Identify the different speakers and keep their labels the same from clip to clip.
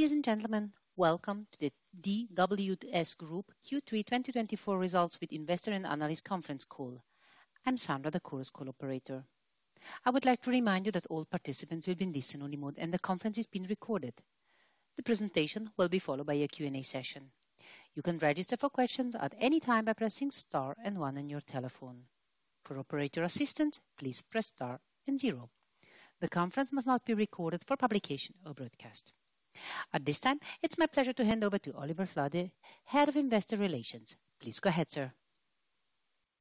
Speaker 1: Ladies and gentlemen, welcome to the DWS Group Q3 2024 results with investor and analyst conference call. I'm Sandra, the Chorus Call operator. I would like to remind you that all participants will be in listen-only mode, and the conference is being recorded. The presentation will be followed by a Q&A session. You can register for questions at any time by pressing star and one on your telephone. For operator assistance, please press star and zero. The conference must not be recorded for publication or broadcast. At this time, it's my pleasure to hand over to Oliver Flade, head of Investor Relations. Please go ahead, sir.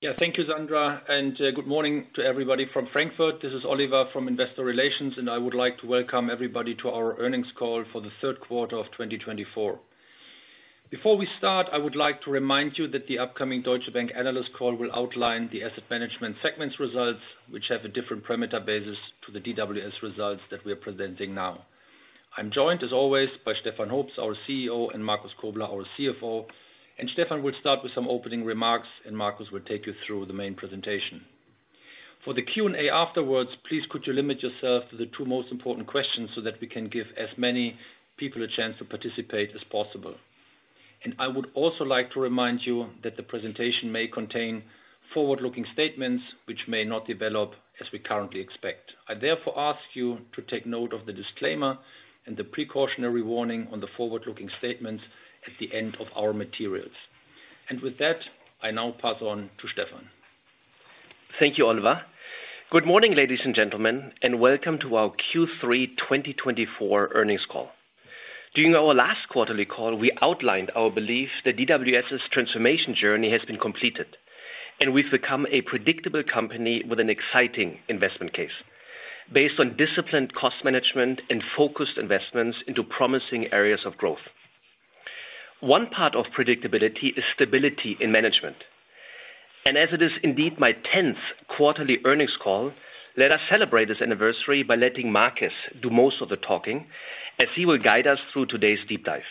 Speaker 2: Yeah, thank you, Sandra, and good morning to everybody from Frankfurt. This is Oliver from Investor Relations, and I would like to welcome everybody to our earnings call for the third quarter of twenty twenty-four. Before we start, I would like to remind you that the upcoming Deutsche Bank analyst call will outline the asset management segments results, which have a different parameter basis to the DWS results that we are presenting now. I'm joined, as always, by Stefan Hoops, our CEO, and Markus Kobler, our CFO, and Stefan will start with some opening remarks, and Markus will take you through the main presentation. For the Q&A afterwards, please, could you limit yourself to the two most important questions so that we can give as many people a chance to participate as possible. I would also like to remind you that the presentation may contain forward-looking statements which may not develop as we currently expect. I therefore ask you to take note of the disclaimer and the precautionary warning on the forward-looking statements at the end of our materials. With that, I now pass on to Stefan.
Speaker 3: Thank you, Oliver. Good morning, ladies and gentlemen, and welcome to our Q3 twenty twenty-four earnings call. During our last quarterly call, we outlined our belief that DWS's transformation journey has been completed, and we've become a predictable company with an exciting investment case, based on disciplined cost management and focused investments into promising areas of growth. One part of predictability is stability in management, and as it is indeed my tenth quarterly earnings call, let us celebrate this anniversary by letting Markus do most of the talking, as he will guide us through today's deep dive.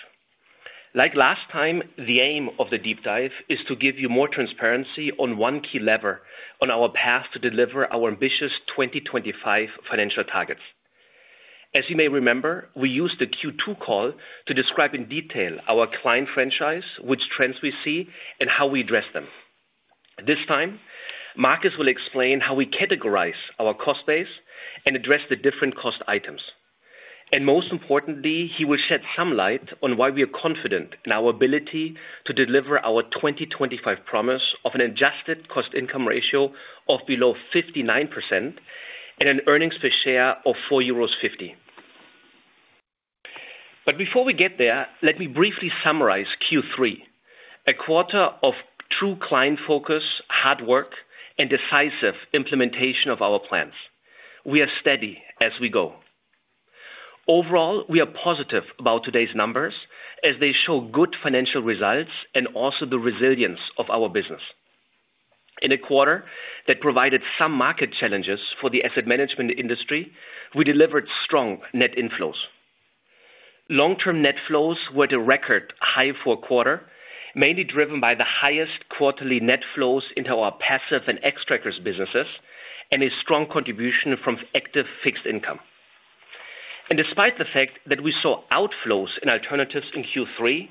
Speaker 3: Like last time, the aim of the deep dive is to give you more transparency on one key lever on our path to deliver our ambitious twenty twenty-five financial targets. As you may remember, we used the Q2 call to describe in detail our client franchise, which trends we see and how we address them. This time, Markus will explain how we categorize our cost base and address the different cost items, and most importantly, he will shed some light on why we are confident in our ability to deliver our 2025 promise of an adjusted cost income ratio of below 59% and an earnings per share of 4.50 euros. But before we get there, let me briefly summarize Q3, a quarter of true client focus, hard work and decisive implementation of our plans. We are steady as we go. Overall, we are positive about today's numbers as they show good financial results and also the resilience of our business. In a quarter that provided some market challenges for the asset management industry, we delivered strong net inflows. Long-term net flows were at a record high for a quarter, mainly driven by the highest quarterly net flows into our passive and Xtrackers businesses, and a strong contribution from active fixed income, and despite the fact that we saw outflows in alternatives in Q3,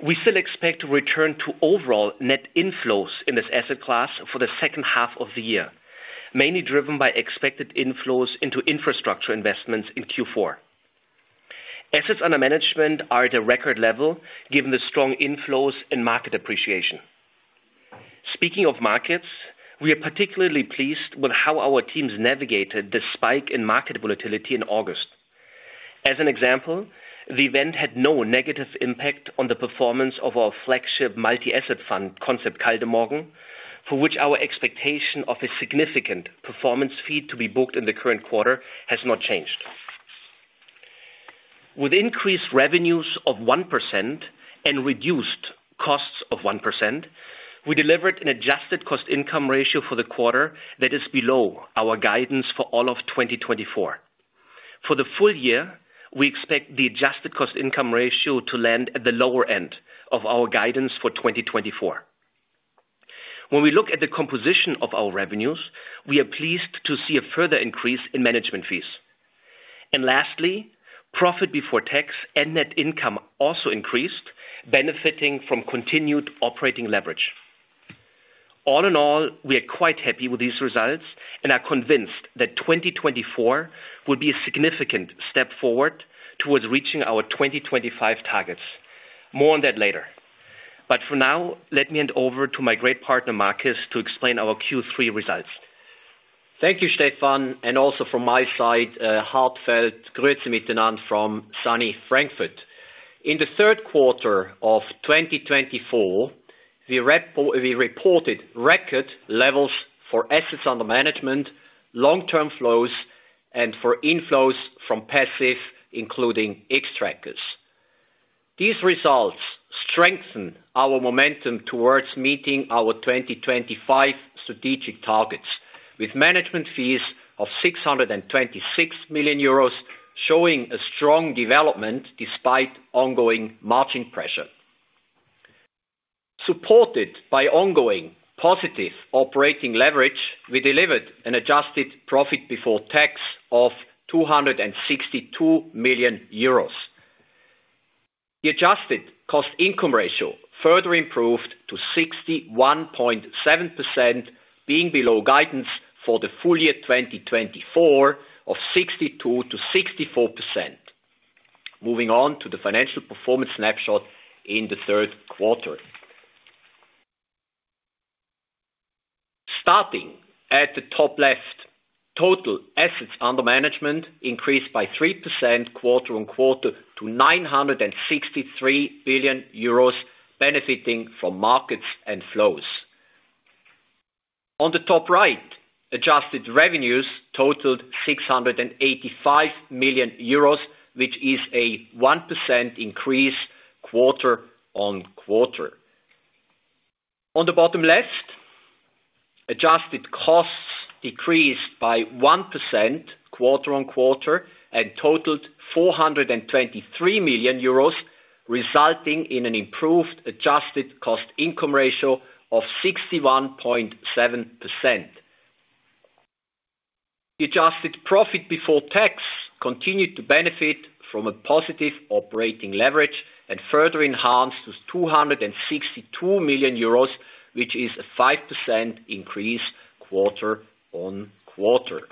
Speaker 3: we still expect to return to overall net inflows in this asset class for the second half of the year, mainly driven by expected inflows into infrastructure investments in Q4. Assets under management are at a record level, given the strong inflows and market appreciation. Speaking of markets, we are particularly pleased with how our teams navigated the spike in market volatility in August. As an example, the event had no negative impact on the performance of our flagship multi-asset fund, Concept Kaldemorgen, for which our expectation of a significant performance fee to be booked in the current quarter has not changed. With increased revenues of 1% and reduced costs of 1%, we delivered an adjusted cost-income ratio for the quarter that is below our guidance for all of 2024. For the full year, we expect the adjusted cost-income ratio to land at the lower end of our guidance for 2024. When we look at the composition of our revenues, we are pleased to see a further increase in management fees. And lastly, profit before tax and net income also increased, benefiting from continued operating leverage. All in all, we are quite happy with these results and are convinced that 2024 will be a significant step forward towards reaching our 2025 targets. More on that later. But for now, let me hand over to my great partner, Markus, to explain our Q3 results.
Speaker 4: Thank you, Stefan, and also from my side, heartfelt grüße mittenand from sunny Frankfurt. In the third quarter of twenty twenty-four, we reported record levels for assets under management, long-term flows, and for inflows from passive, including Xtrackers. These results strengthen our momentum towards meeting our twenty twenty-five strategic targets, with management fees of 626 million euros, showing a strong development despite ongoing margin pressure.... Supported by ongoing positive operating leverage, we delivered an adjusted profit before tax of 262 million euros. The adjusted cost income ratio further improved to 61.7%, being below guidance for the full year 2024 of 62%-64%. Moving on to the financial performance snapshot in the third quarter. Starting at the top left, total assets under management increased by 3% quarter on quarter to 963 billion euros, benefiting from markets and flows. On the top right, adjusted revenues totaled 685 million euros, which is a 1% increase quarter on quarter. On the bottom left, adjusted costs decreased by 1% quarter on quarter and totaled 423 million euros, resulting in an improved adjusted cost income ratio of 61.7%. The adjusted profit before tax continued to benefit from a positive operating leverage and further enhanced to 262 million euros, which is a 5% increase quarter on quarter.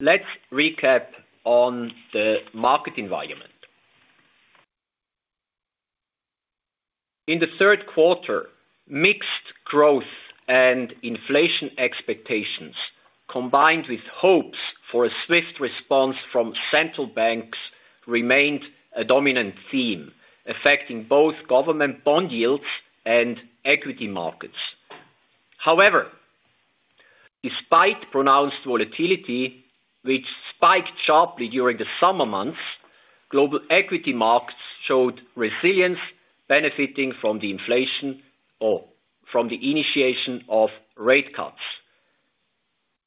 Speaker 4: Let's recap on the market environment. In the third quarter, mixed growth and inflation expectations, combined with hopes for a swift response from central banks, remained a dominant theme, affecting both government bond yields and equity markets. However, despite pronounced volatility, which spiked sharply during the summer months, global equity markets showed resilience benefiting from the inflation or from the initiation of rate cuts.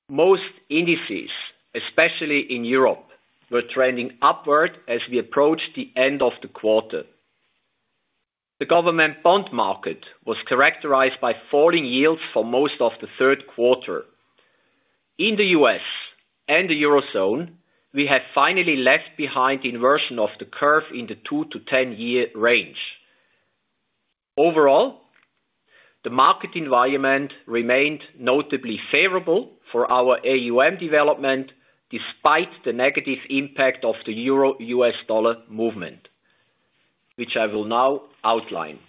Speaker 4: Most indices, especially in Europe, were trending upward as we approached the end of the quarter. The government bond market was characterized by falling yields for most of the third quarter. In the U.S. and the Eurozone, we have finally left behind inversion of the curve in the 2- to 10-year range. Overall, the market environment remained notably favorable for our AUM development, despite the negative impact of the Euro/US dollar movement, which I will now outline.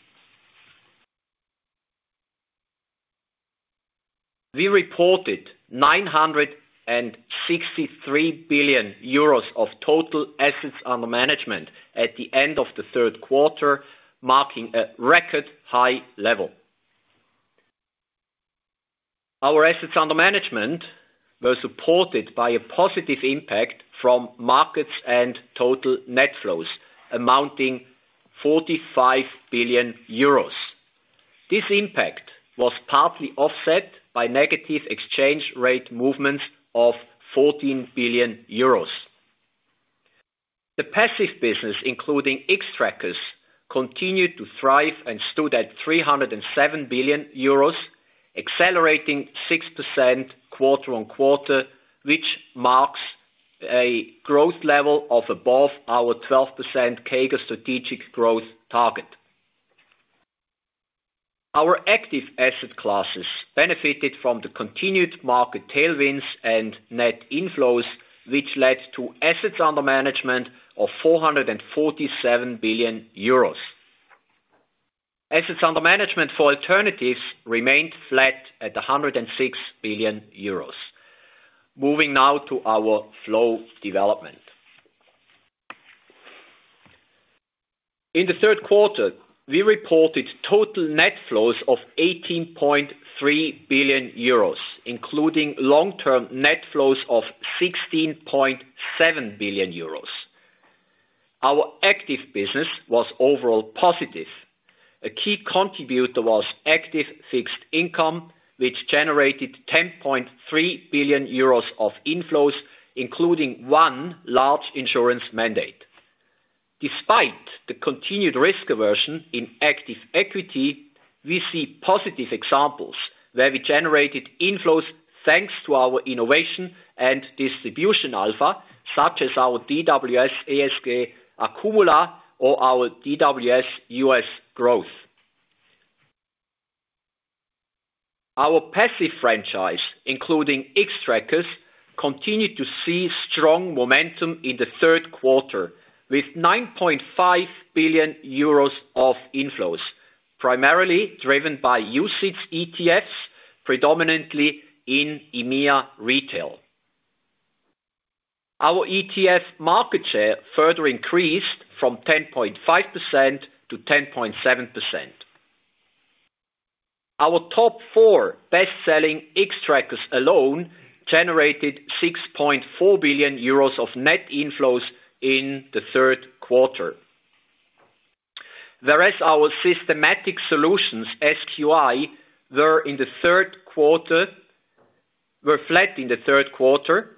Speaker 4: We reported 963 billion euros of total assets under management at the end of the third quarter, marking a record high level. Our assets under management were supported by a positive impact from markets and total net flows amounting 45 billion euros. This impact was partly offset by negative exchange rate movements of 14 billion euros. The passive business, including Xtrackers, continued to thrive and stood at 307 billion euros, accelerating 6% quarter on quarter, which marks a growth level of above our 12% CAGR strategic growth target. Our active asset classes benefited from the continued market tailwinds and net inflows, which led to assets under management of 447 billion euros. Assets under management for alternatives remained flat at 106 billion euros. Moving now to our flow development. In the third quarter, we reported total net flows of 18.3 billion euros, including long-term net flows of 16.7 billion euros. Our active business was overall positive. A key contributor was active fixed income, which generated 10.3 billion euros of inflows, including one large insurance mandate. Despite the continued risk aversion in active equity, we see positive examples where we generated inflows, thanks to our innovation and distribution alpha, such as our DWS ESG Akkumula or our DWS US Growth. Our passive franchise, including Xtrackers, continued to see strong momentum in the third quarter, with 9.5 billion euros of inflows, primarily driven by UCITS ETFs, predominantly in EMEA retail. Our ETF market share further increased from 10.5% to 10.7%. Our top four best-selling Xtrackers alone generated 6.4 billion euros of net inflows in the third quarter. Whereas our systematic solutions, SQI, were flat in the third quarter.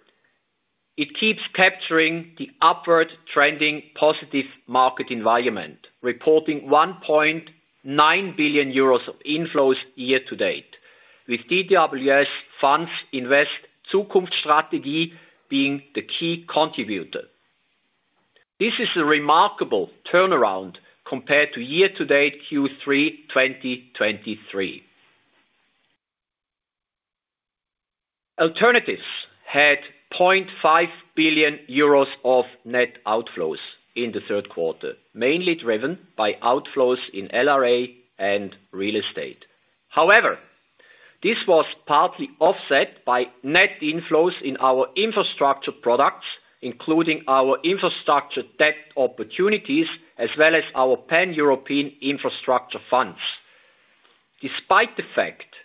Speaker 4: It keeps capturing the upward trending positive market environment, reporting 1.9 billion euros of inflows year-to-date, with DWS Invest ZukunftsStrategie being the key contributor. This is a remarkable turnaround compared to year-to-date Q3, 2023. Alternatives had 0.5 billion euros of net outflows in the third quarter, mainly driven by outflows in LRA and real estate. However, this was partly offset by net inflows in our infrastructure products, including our Infrastructure Debt Opportunities, as well as our Pan-European Infrastructure funds. Despite the fact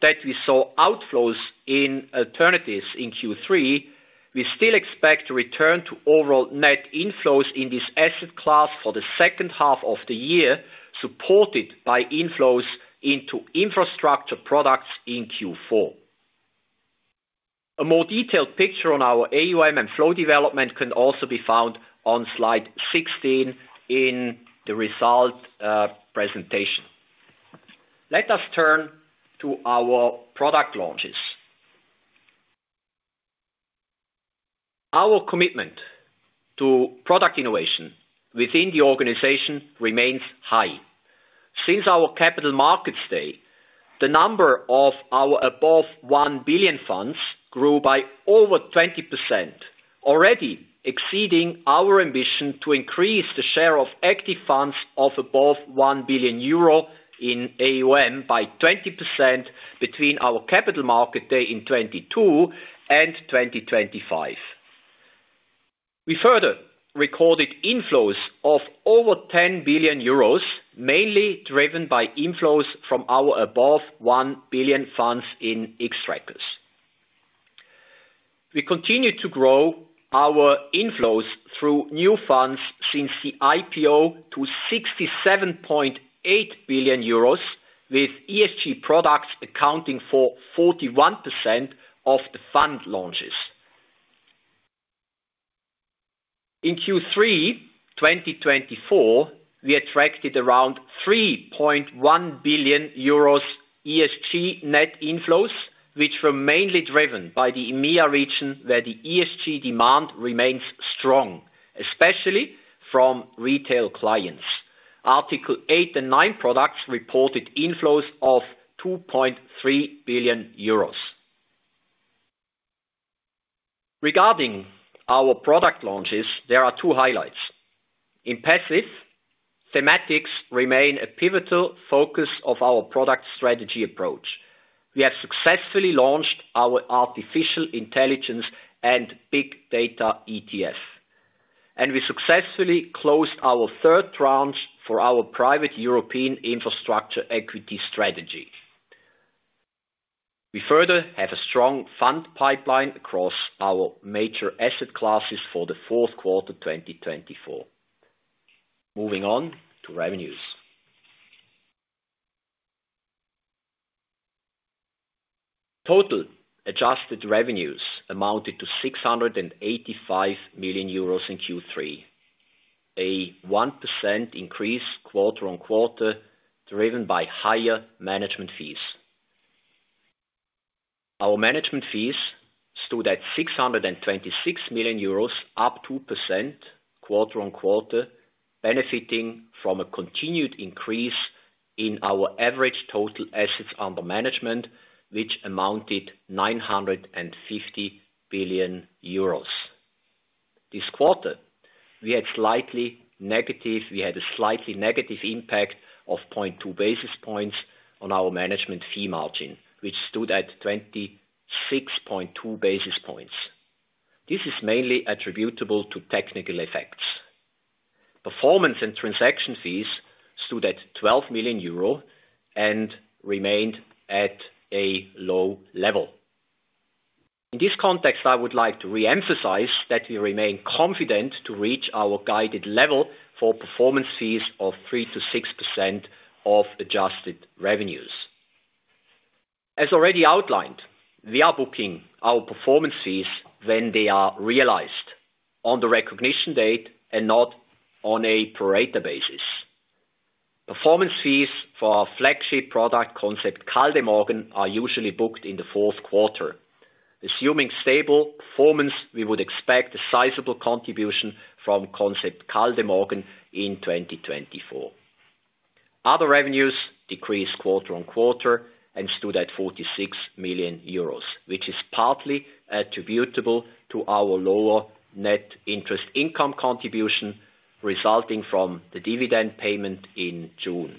Speaker 4: that we saw outflows in alternatives in Q3, we still expect to return to overall net inflows in this asset class for the second half of the year, supported by inflows into infrastructure products in Q4. A more detailed picture on our AUM and flow development can also be found on slide 16 in the results presentation. Let us turn to our product launches. Our commitment to product innovation within the organization remains high. Since our Capital Markets Day, the number of our above one billion funds grew by over 20%, already exceeding our ambition to increase the share of active funds of above one billion EUR in AUM by 20% between our Capital Markets Day in 2022 and 2025. We further recorded inflows of over 10 billion euros, mainly driven by inflows from our above one billion funds in Xtrackers. We continue to grow our inflows through new funds since the IPO to 67.8 billion euros, with ESG products accounting for 41% of the fund launches. In Q3 2024, we attracted around 3.1 billion euros ESG net inflows, which were mainly driven by the EMEA region, where the ESG demand remains strong, especially from retail clients. Article 8 and 9 products reported inflows of EUR 2.3 billion. Regarding our product launches, there are two highlights. In passive, thematics remain a pivotal focus of our product strategy approach. We have successfully launched our Artificial Intelligence and Big Data ETF, and we successfully closed our third tranche for our private European infrastructure equity strategy. We further have a strong fund pipeline across our major asset classes for the fourth quarter 2024. Moving on to revenues. Total adjusted revenues amounted to 685 million euros in Q3, a 1% increase quarter on quarter, driven by higher management fees. Our management fees stood at 626 million euros, up 2% quarter on quarter, benefiting from a continued increase in our average total assets under management, which amounted to 950 billion euros. This quarter, we had a slightly negative impact of 0.2 basis points on our management fee margin, which stood at 26.2 basis points. This is mainly attributable to technical FX. Performance and transaction fees stood at 12 million euro and remained at a low level. In this context, I would like to re-emphasize that we remain confident to reach our guided level for performance fees of 3%-6% of adjusted revenues. As already outlined, we are booking our performance fees when they are realized on the recognition date and not on a pro rata basis. Performance fees for our flagship product Concept Kaldemorgen are usually booked in the fourth quarter. Assuming stable performance, we would expect a sizable contribution from Concept Kaldemorgen in 2024. Other revenues decreased quarter on quarter and stood at 46 million euros, which is partly attributable to our lower net interest income contribution, resulting from the dividend payment in June.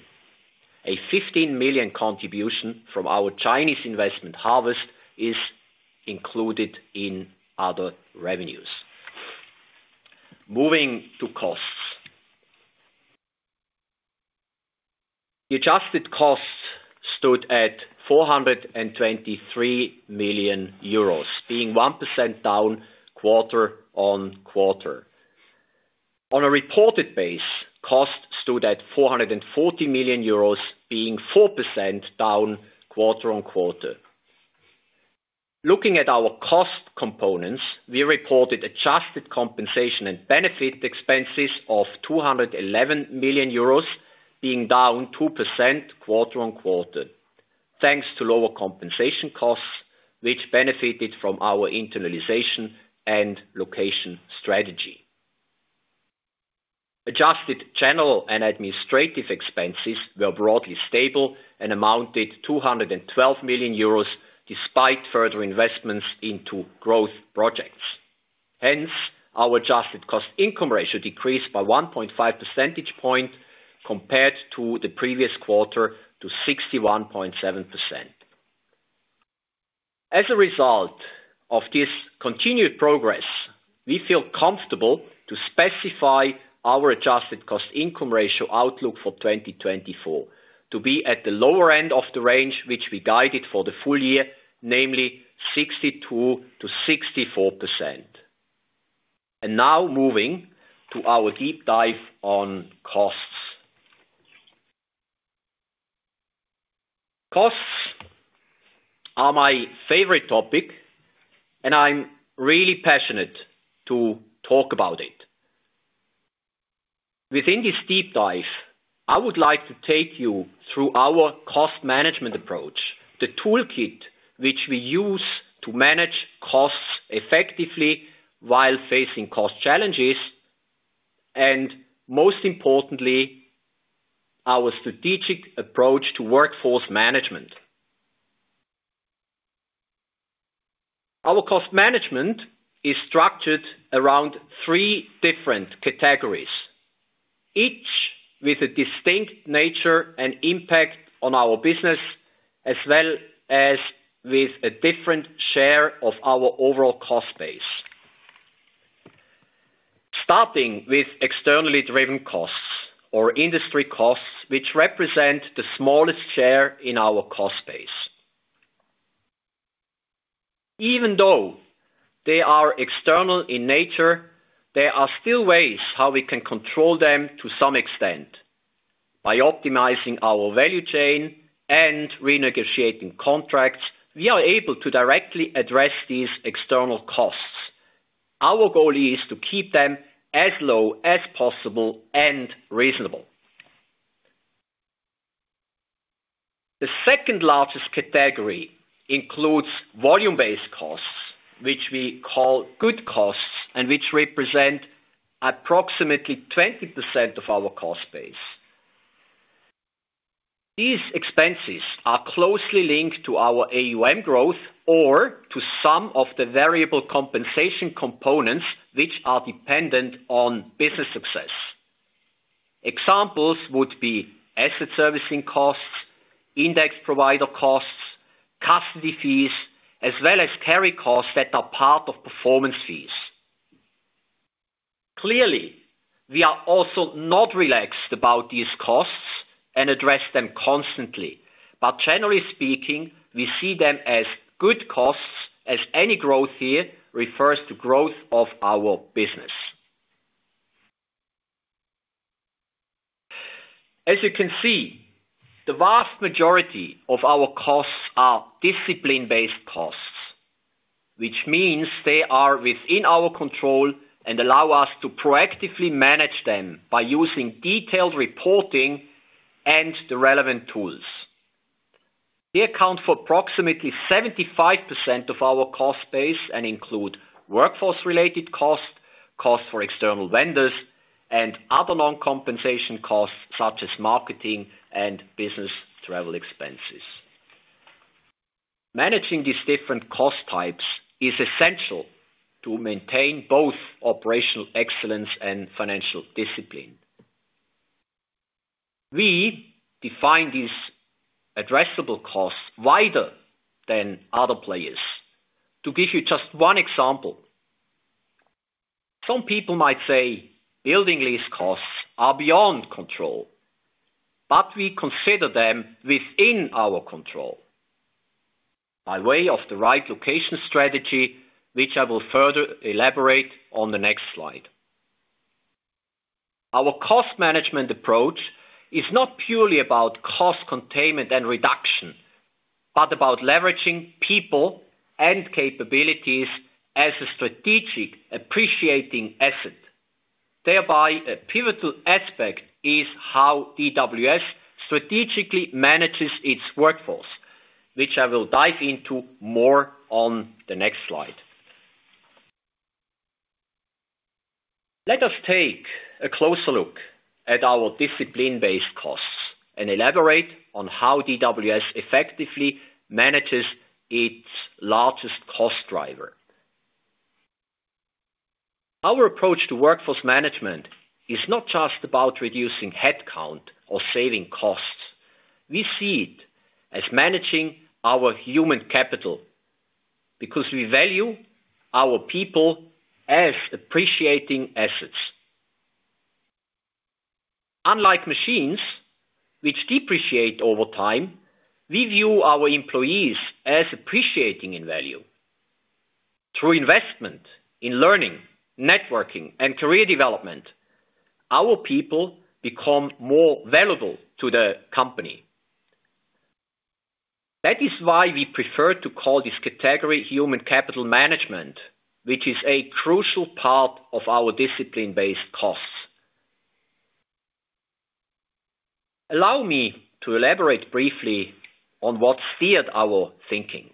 Speaker 4: A 15 million contribution from our Chinese investment Harvest is included in other revenues. Moving to costs. The adjusted costs stood at 423 million euros, being 1% down quarter on quarter. On a reported basis, costs stood at 440 million euros, being 4% down quarter on quarter. Looking at our cost components, we reported adjusted compensation and benefit expenses of 211 million euros, being down 2% quarter on quarter, thanks to lower compensation costs, which benefited from our internalization and location strategy. Adjusted general and administrative expenses were broadly stable and amounted to 212 million euros, despite further investments into growth projects. Hence, our adjusted cost income ratio decreased by 1.5 percentage points compared to the previous quarter, to 61.7%. As a result of this continued progress, we feel comfortable to specify our adjusted cost income ratio outlook for 2024, to be at the lower end of the range, which we guided for the full year, namely 62%-64%. Now moving to our deep dive on costs. Costs are my favorite topic, and I'm really passionate to talk about it. Within this deep dive, I would like to take you through our cost management approach, the toolkit whichwe use to manage costs effectively while facing cost challenges, and most importantly, our strategic approach to workforce management. Our cost management is structured around three different categories, each with a distinct nature and impact on our business, as well as with a different share of our overall cost base. Starting with externally driven costs or industry costs, which represent the smallest share in our cost base. Even though they are external in nature, there are still ways how we can control them to some extent. By optimizing our value chain and renegotiating contracts, we are able to directly address these external costs. Our goal is to keep them as low as possible and reasonable. The second largest category includes volume-based costs, which we call good costs, and which represent approximately 20% of our cost base. These expenses are closely linked to our AUM growth or to some of the variable compensation components which are dependent on business success. Examples would be asset servicing costs, index provider costs, custody fees, as well as carry costs that are part of performance fees. Clearly, we are also not relaxed about these costs and address them constantly, but generally speaking, we see them as good costs, as any growth here refers to growth of our business. As you can see, the vast majority of our costs are discipline-based costs, which means they are within our control and allow us to proactively manage them by using detailed reporting and the relevant tools. They account for approximately 75% of our cost base and include workforce-related costs, costs for external vendors, and other non-compensation costs, such as marketing and business travel expenses. Managing these different cost types is essential to maintain both operational excellence and financial discipline. We define these addressable costs wider than other players. To give you just one example, some people might say building lease costs are beyond control, but we consider them within our control by way of the right location strategy, which I will further elaborate on the next slide. Our cost management approach is not purely about cost containment and reduction, but about leveraging people and capabilities as a strategic appreciating asset. Thereby, a pivotal aspect is how DWS strategically manages its workforce, which I will dive into more on the next slide. Let us take a closer look at our discipline-based costs and elaborate on how DWS effectively manages its largest cost driver. Our approach to workforce management is not just about reducing headcount or saving costs. We see it as managing our human capital, because we value our people as appreciating assets... unlike machines which depreciate over time, we view our employees as appreciating in value. Through investment in learning, networking, and career development, our people become more valuable to the company. That is why we prefer to call this category human capital management, which is a crucial part of our discipline-based costs. Allow me to elaborate briefly on what steered our thinking.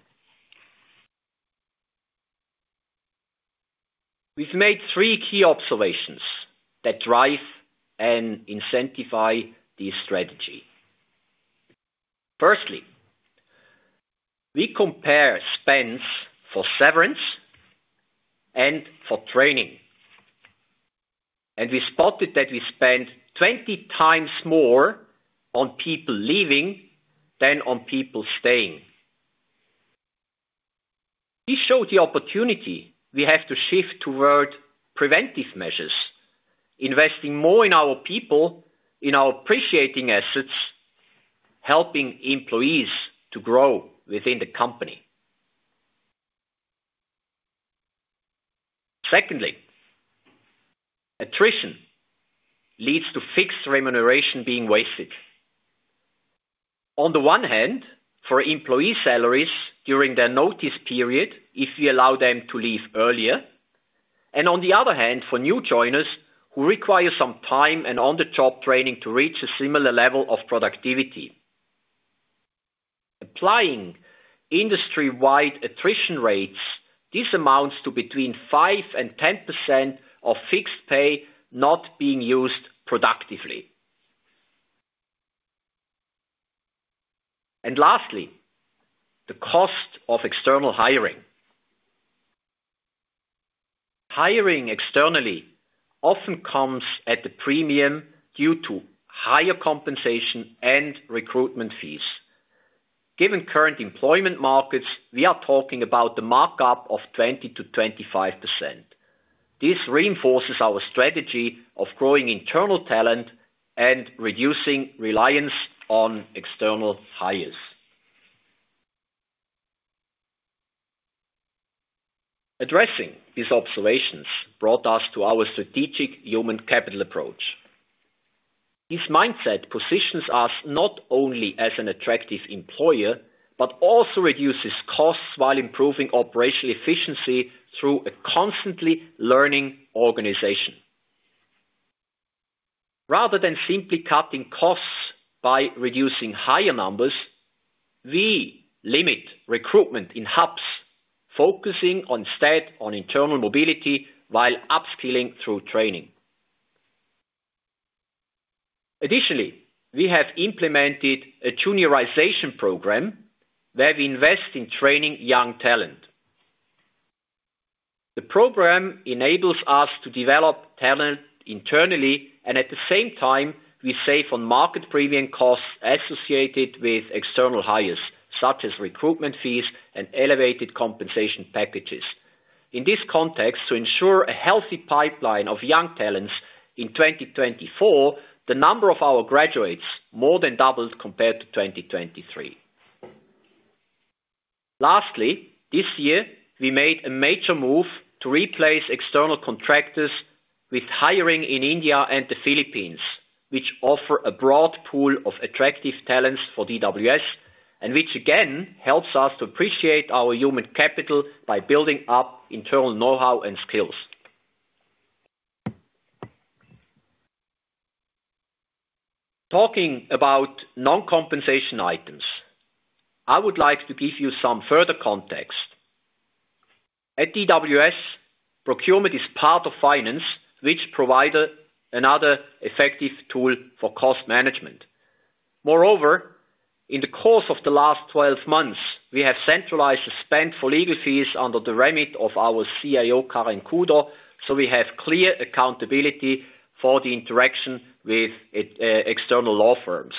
Speaker 4: We've made three key observations that drive and incentivize this strategy. Firstly, we compare spends for severance and for training, and we spotted that we spend twenty times more on people leaving than on people staying. This showed the opportunity we have to shift toward preventive measures, investing more in our people, in our appreciating assets, helping employees to grow within the company. Secondly, attrition leads to fixed remuneration being wasted. On the one hand, for employee salaries during their notice period, if we allow them to leave earlier, and on the other hand, for new joiners who require some time and on-the-job training to reach a similar level of productivity. Applying industry-wide attrition rates, this amounts to between 5% and 10% of fixed pay not being used productively. And lastly, the cost of external hiring. Hiring externally often comes at a premium due to higher compensation and recruitment fees. Given current employment markets, we are talking about the markup of 20%-25%. This reinforces our strategy of growing internal talent and reducing reliance on external hires. Addressing these observations brought us to our strategic human capital approach. This mindset positions us not only as an attractive employer, but also reduces costs while improving operational efficiency through a constantly learning organization. Rather than simply cutting costs by reducing headcount, we limit recruitment in hubs, focusing instead on internal mobility while upskilling through training. Additionally, we have implemented a juniorization program, where we invest in training young talent. The program enables us to develop talent internally, and at the same time, we save on market premium costs associated with external hires, such as recruitment fees and elevated compensation packages. In this context, to ensure a healthy pipeline of young talents in twenty twenty-four, the number of our graduates more than doubled compared to twenty twenty-three. Lastly, this year, we made a major move to replace external contractors with hiring in India and the Philippines, which offer a broad pool of attractive talents for DWS, and which again helps us to appreciate our human capital by building up internal know-how and skills. Talking about non-compensation items, I would like to give you some further context. At DWS, procurement is part of finance, which provide another effective tool for cost management. Moreover, in the course of the last twelve months, we have centralized the spend for legal fees under the remit of our CAO, Karen Kuder, so we have clear accountability for the interaction with external law firms.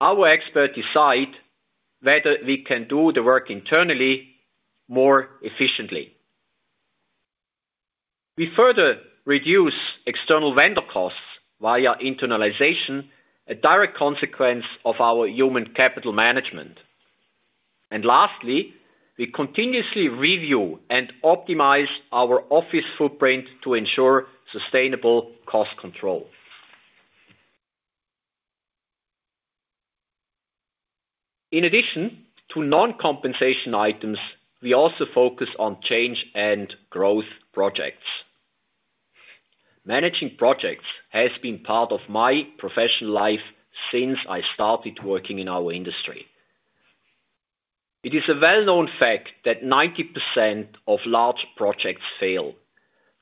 Speaker 4: Our expert decide whether we can do the work internally more efficiently. We further reduce external vendor costs via internalization, a direct consequence of our human capital management. And lastly, we continuously review and optimize our office footprint to ensure sustainable cost control. In addition to non-compensation items, we also focus on change and growth projects. Managing projects has been part of my professional life since I started working in our industry. It is a well-known fact that 90% of large projects fail.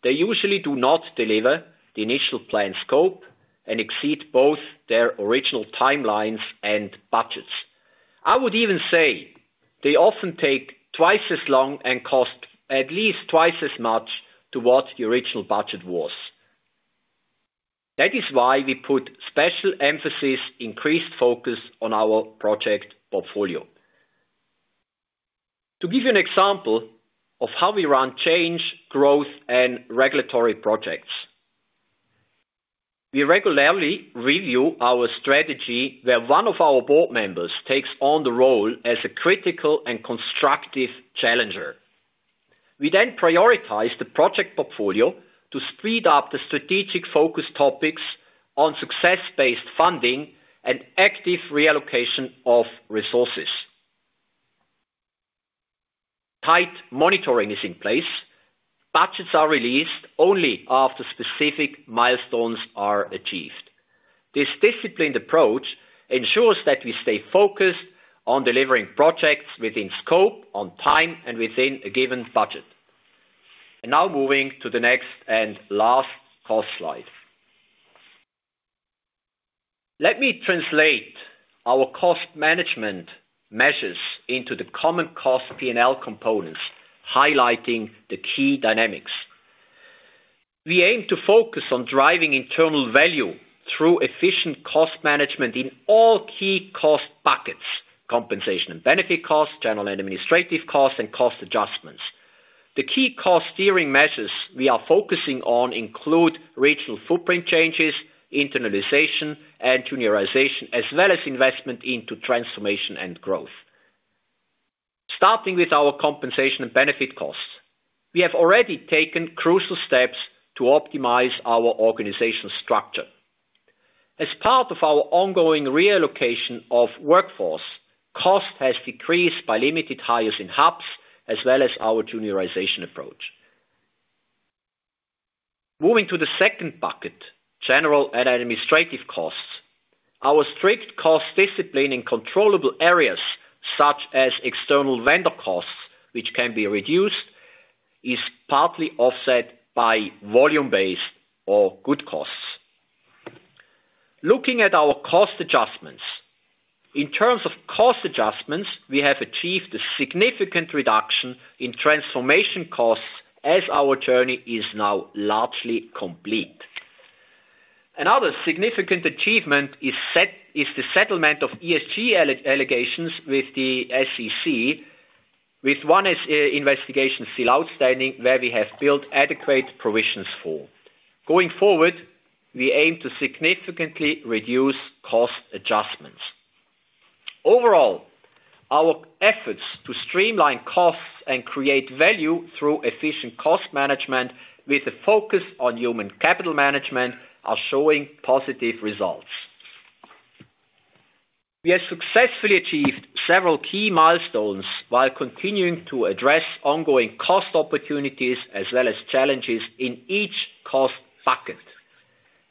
Speaker 4: They usually do not deliver the initial planned scope and exceed both their original timelines and budgets. I would even say they often take twice as long and cost at least twice as much to what the original budget was. That is why we put special emphasis, increased focus on our project portfolio.... To give you an example of how we run change, growth, and regulatory projects, we regularly review our strategy where one of our board members takes on the role as a critical and constructive challenger. We then prioritize the project portfolio to speed up the strategic focus topics on success-based funding and active reallocation of resources. Tight monitoring is in place. Budgets are released only after specific milestones are achieved. This disciplined approach ensures that we stay focused on delivering projects within scope, on time, and within a given budget. And now moving to the next and last cost slide. Let me translate our cost management measures into the common cost P&L components, highlighting the key dynamics. We aim to focus on driving internal value through efficient cost management in all key cost buckets, compensation and benefit costs, general and administrative costs, and cost adjustments. The key cost steering measures we are focusing on include regional footprint changes, internalization and juniorization, as well as investment into transformation and growth. Starting with our compensation and benefit costs, we have already taken crucial steps to optimize our organizational structure. As part of our ongoing reallocation of workforce, cost has decreased by limited hires in hubs as well as our juniorization approach. Moving to the second bucket, general and administrative costs. Our strict cost discipline in controllable areas, such as external vendor costs, which can be reduced, is partly offset by volume-based or good costs. Looking at our cost adjustments. In terms of cost adjustments, we have achieved a significant reduction in transformation costs as our journey is now largely complete. Another significant achievement is the settlement of ESG allegations with the SEC, with one investigation still outstanding, where we have built adequate provisions for. Going forward, we aim to significantly reduce cost adjustments. Overall, our efforts to streamline costs and create value through efficient cost management with a focus on human capital management, are showing positive results. We have successfully achieved several key milestones while continuing to address ongoing cost opportunities as well as challenges in each cost bucket.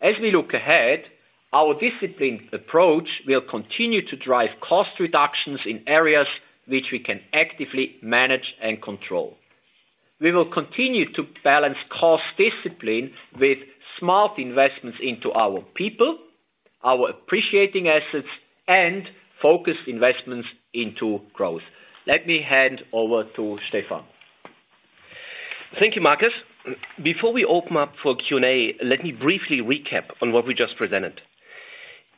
Speaker 4: As we look ahead, our disciplined approach will continue to drive cost reductions in areas which we can actively manage and control. We will continue to balance cost discipline with smart investments into our people, our appreciating assets, and focus investments into growth. Let me hand over to Stefan.
Speaker 3: Thank you, Markus. Before we open up for Q&A, let me briefly recap on what we just presented.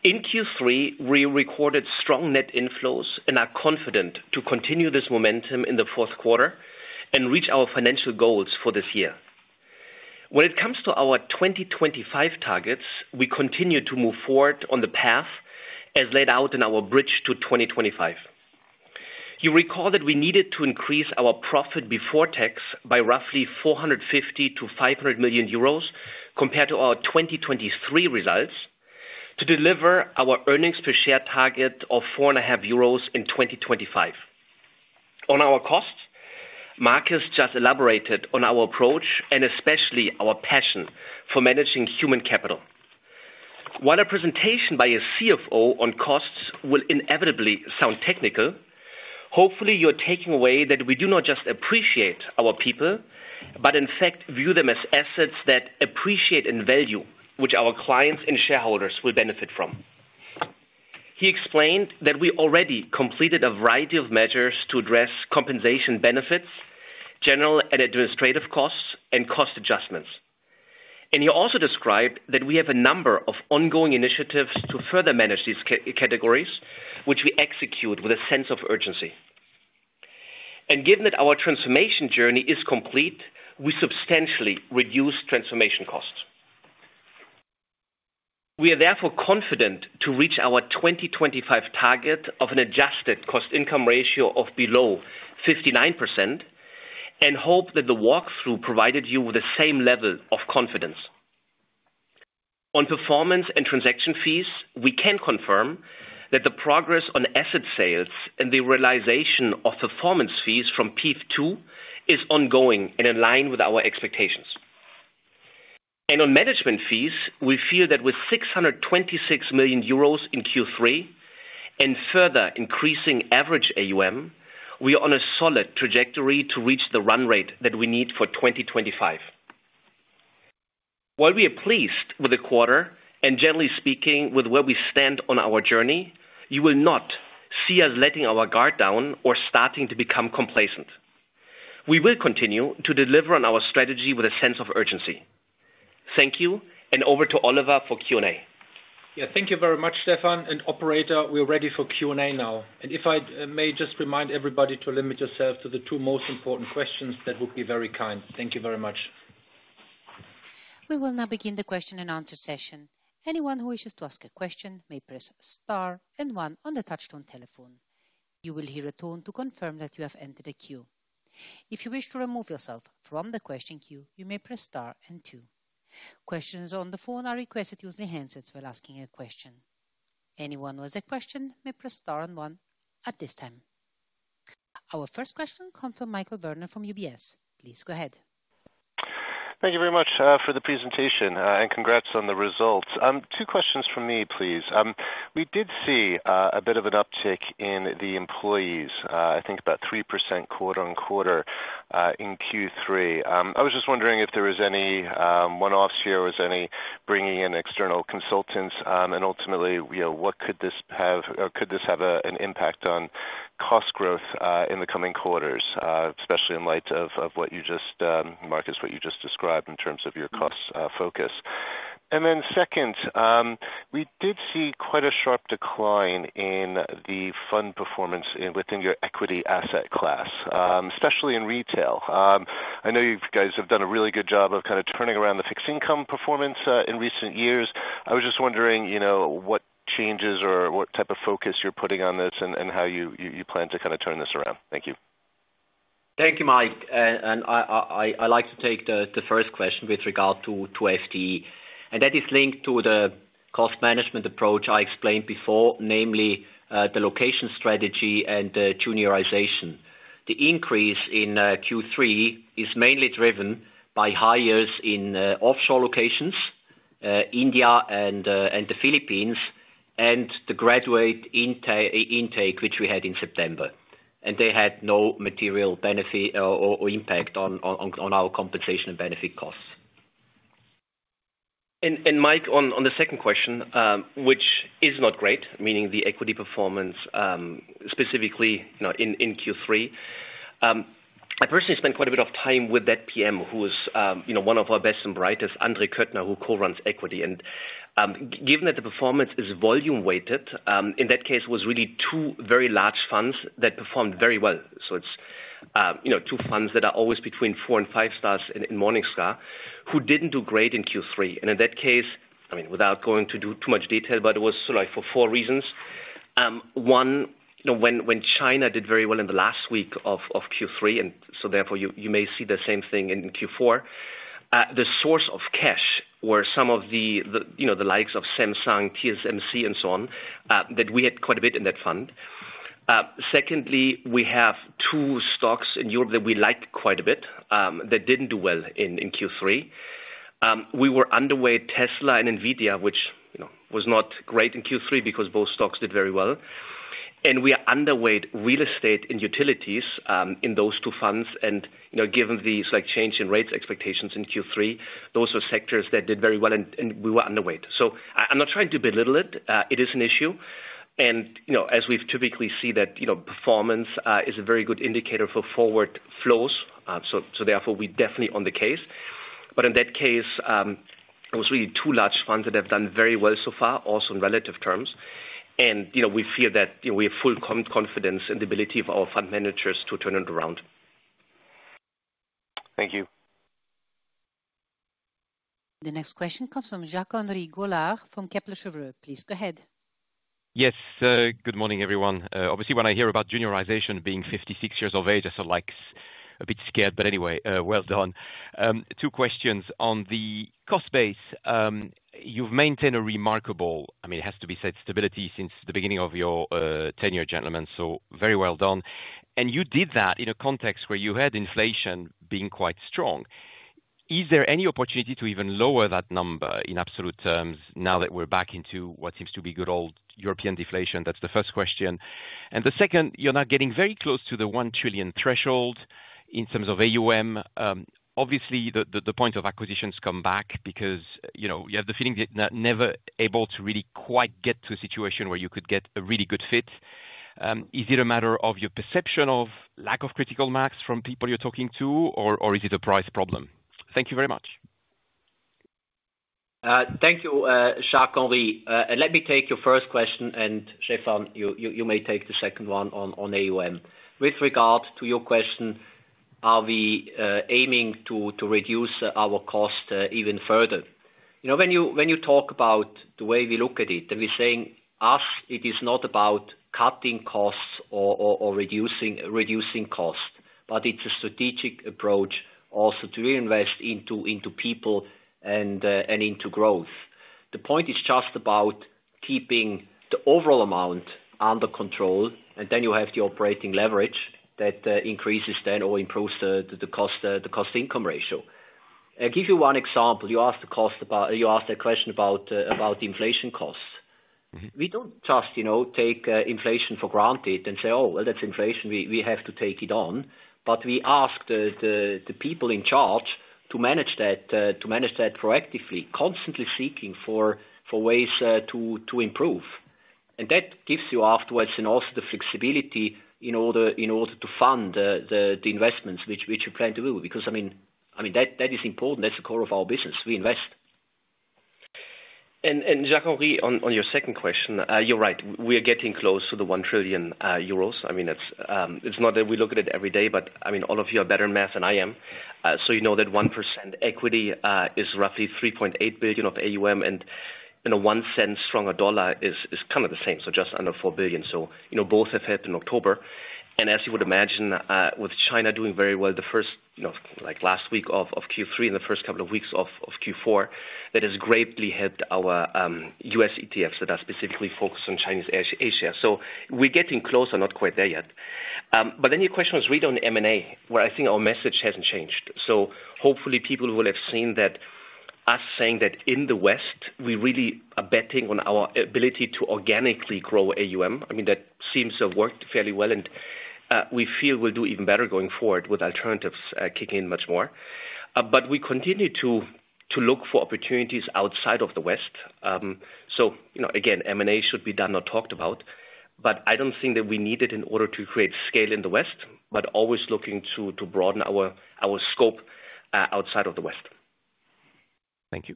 Speaker 3: In Q3, we recorded strong net inflows and are confident to continue this momentum in the fourth quarter and reach our financial goals for this year. When it comes to our 2025 targets, we continue to move forward on the path as laid out in our bridge to 2025. You recall that we needed to increase our profit before tax by roughly 450 million-500 million euros compared to our 2023 results, to deliver our earnings per share target of 4.5 euros in 2025. On our costs, Markus just elaborated on our approach and especially our passion for managing human capital. While a presentation by a CFO on costs will inevitably sound technical, hopefully you're taking away that we do not just appreciate our people, but in fact view them as assets that appreciate in value, which our clients and shareholders will benefit from. He explained that we already completed a variety of measures to address compensation benefits, general and administrative costs, and cost adjustments, and he also described that we have a number of ongoing initiatives to further manage these categories, which we execute with a sense of urgency. And given that our transformation journey is complete, we substantially reduce transformation costs. We are therefore confident to reach our 2025 target of an adjusted cost income ratio of below 59%, and hope that the walkthrough provided you with the same level of confidence. On performance and transaction fees, we can confirm that the progress on asset sales and the realization of performance fees from PEIF II is ongoing and in line with our expectations, and on management fees, we feel that with 626 million euros in Q3 and further increasing average AUM, we are on a solid trajectory to reach the run rate that we need for 2025. While we are pleased with the quarter, and generally speaking, with where we stand on our journey, you will not see us letting our guard down or starting to become complacent....
Speaker 4: we will continue to deliver on our strategy with a sense of urgency. Thank you, and over to Oliver for Q&A.
Speaker 2: Yeah, thank you very much, Stefan. And operator, we are ready for Q&A now. And if I may just remind everybody to limit yourself to the two most important questions, that would be very kind. Thank you very much.
Speaker 1: We will now begin the question and answer session. Anyone who wishes to ask a question may press star and one on the touchtone telephone. You will hear a tone to confirm that you have entered a queue. If you wish to remove yourself from the question queue, you may press star and two. Questions on the phone are requested to use the handsets while asking a question. Anyone who has a question may press star and one at this time. Our first question comes from Michael Werner from UBS. Please go ahead.
Speaker 5: Thank you very much for the presentation and congrats on the results. Two questions from me, please. We did see a bit of an uptick in the employees, I think about 3% quarter on quarter in Q3. I was just wondering if there was any one-offs here, or was any bringing in external consultants, and ultimately, you know, what could this have or could this have an impact on cost growth in the coming quarters, especially in light of what you just described, Markus, in terms of your costs focus? And then second, we did see quite a sharp decline in the fund performance within your equity asset class, especially in retail. I know you guys have done a really good job of kind of turning around the fixed income performance in recent years. I was just wondering, you know, what changes or what type of focus you're putting on this, and how you plan to kind of turn this around? Thank you.
Speaker 4: Thank you, Mike. And I like to take the first question with regard to FTE, and that is linked to the cost management approach I explained before, namely, the location strategy and the juniorization. The increase in Q3 is mainly driven by hires in offshore locations, India and the Philippines, and the graduate intake, which we had in September. And they had no material benefit or impact on our compensation and benefit costs.
Speaker 3: Mike, on the second question, which is not great, meaning the equity performance, specifically, you know, in Q3. I personally spent quite a bit of time with that PM, who is, you know, one of our best and brightest, André Köttner, who co-runs equity. Given that the performance is volume-weighted, in that case, it was really two very large funds that performed very well. So it's, you know, two funds that are always between four and five stars in Morningstar, who didn't do great in Q3. And in that case, I mean, without going into too much detail, but it was sort of like for four reasons. One, you know, when China did very well in the last week of Q3, and so therefore, you may see the same thing in Q4. The source of cash were some of the, you know, the likes of Samsung, TSMC, and so on that we had quite a bit in that fund. Secondly, we have two stocks in Europe that we like quite a bit that didn't do well in Q3. We were underweight Tesla and NVIDIA, which, you know, was not great in Q3 because both stocks did very well. And we are underweight real estate and utilities in those two funds. And, you know, given the slight change in rates expectations in Q3, those are sectors that did very well, and we were underweight. So I'm not trying to belittle it. It is an issue, and, you know, as we've typically see that, you know, performance is a very good indicator for forward flows. So therefore we're definitely on the case. But in that case, it was really two large funds that have done very well so far, also in relative terms. And, you know, we feel that, you know, we have full confidence in the ability of our fund managers to turn it around.
Speaker 5: Thank you.
Speaker 1: The next question comes from Jacques-Henri Gaulard from Kepler Cheuvreux. Please go ahead.
Speaker 6: Yes, good morning, everyone. Obviously, when I hear about juniorization being fifty-six years of age, I feel, like, a bit scared, but anyway, well done. Two questions. On the cost base, you've maintained a remarkable, I mean, it has to be said, stability since the beginning of your, tenure, gentlemen, so very well done. And you did that in a context where you had inflation being quite strong. Is there any opportunity to even lower that number in absolute terms now that we're back into what seems to be good old European deflation? That's the first question. And the second, you're now getting very close to the one trillion threshold in terms of AUM. Obviously, the point of acquisitions come back because, you know, you have the feeling that never able to really quite get to a situation where you could get a really good fit. Is it a matter of your perception of lack of critical mass from people you're talking to, or is it a price problem? Thank you very much.
Speaker 4: Thank you, Jacques-Henri. Let me take your first question, and Stefan, you may take the second one on AUM. With regard to your question, are we aiming to reduce our cost even further? You know, when you talk about the way we look at it, and we're saying us, it is not about cutting costs or reducing costs, but it's a strategic approach also to invest into people and into growth. The point is just about keeping the overall amount under control, and then you have the operating leverage that increases then or improves the cost-income ratio. I give you one example. You asked a question about the inflation costs. Mm-hmm. We don't just, you know, take inflation for granted and say, "Oh, well, that's inflation. We have to take it on." But we ask the people in charge to manage that proactively, constantly seeking for ways to improve. And that gives you afterwards, and also the flexibility in order to fund the investments which you plan to do. Because, I mean, that is important. That's the core of our business. We invest.
Speaker 3: Jacques-Henri, on your second question, you're right, we are getting close to the 1 trillion euros. I mean, it's not that we look at it every day, but I mean, all of you are better in math than I am. So you know that 1% equity is roughly 3.8 billion of AUM, and you know, one cent stronger dollar is kind of the same, so just under 4 billion. So you know, both have helped in October. And as you would imagine, with China doing very well, the first, you know, like last week of Q3 and the first couple of weeks of Q4, that has greatly helped our US ETFs that are specifically focused on Chinese Asia. So we're getting closer, not quite there yet. But then your question was read on M&A, where I think our message hasn't changed, so hopefully people will have seen that, us saying that in DWS, we really are betting on our ability to organically grow AUM. I mean, that seems to have worked fairly well, and we feel we'll do even better going forward with alternatives kicking in much more, but we continue to look for opportunities outside of DWS, so you know, again, M&A should be done or talked about, but I don't think that we need it in order to create scale in DWS, but always looking to broaden our scope outside of DWS.
Speaker 6: Thank you.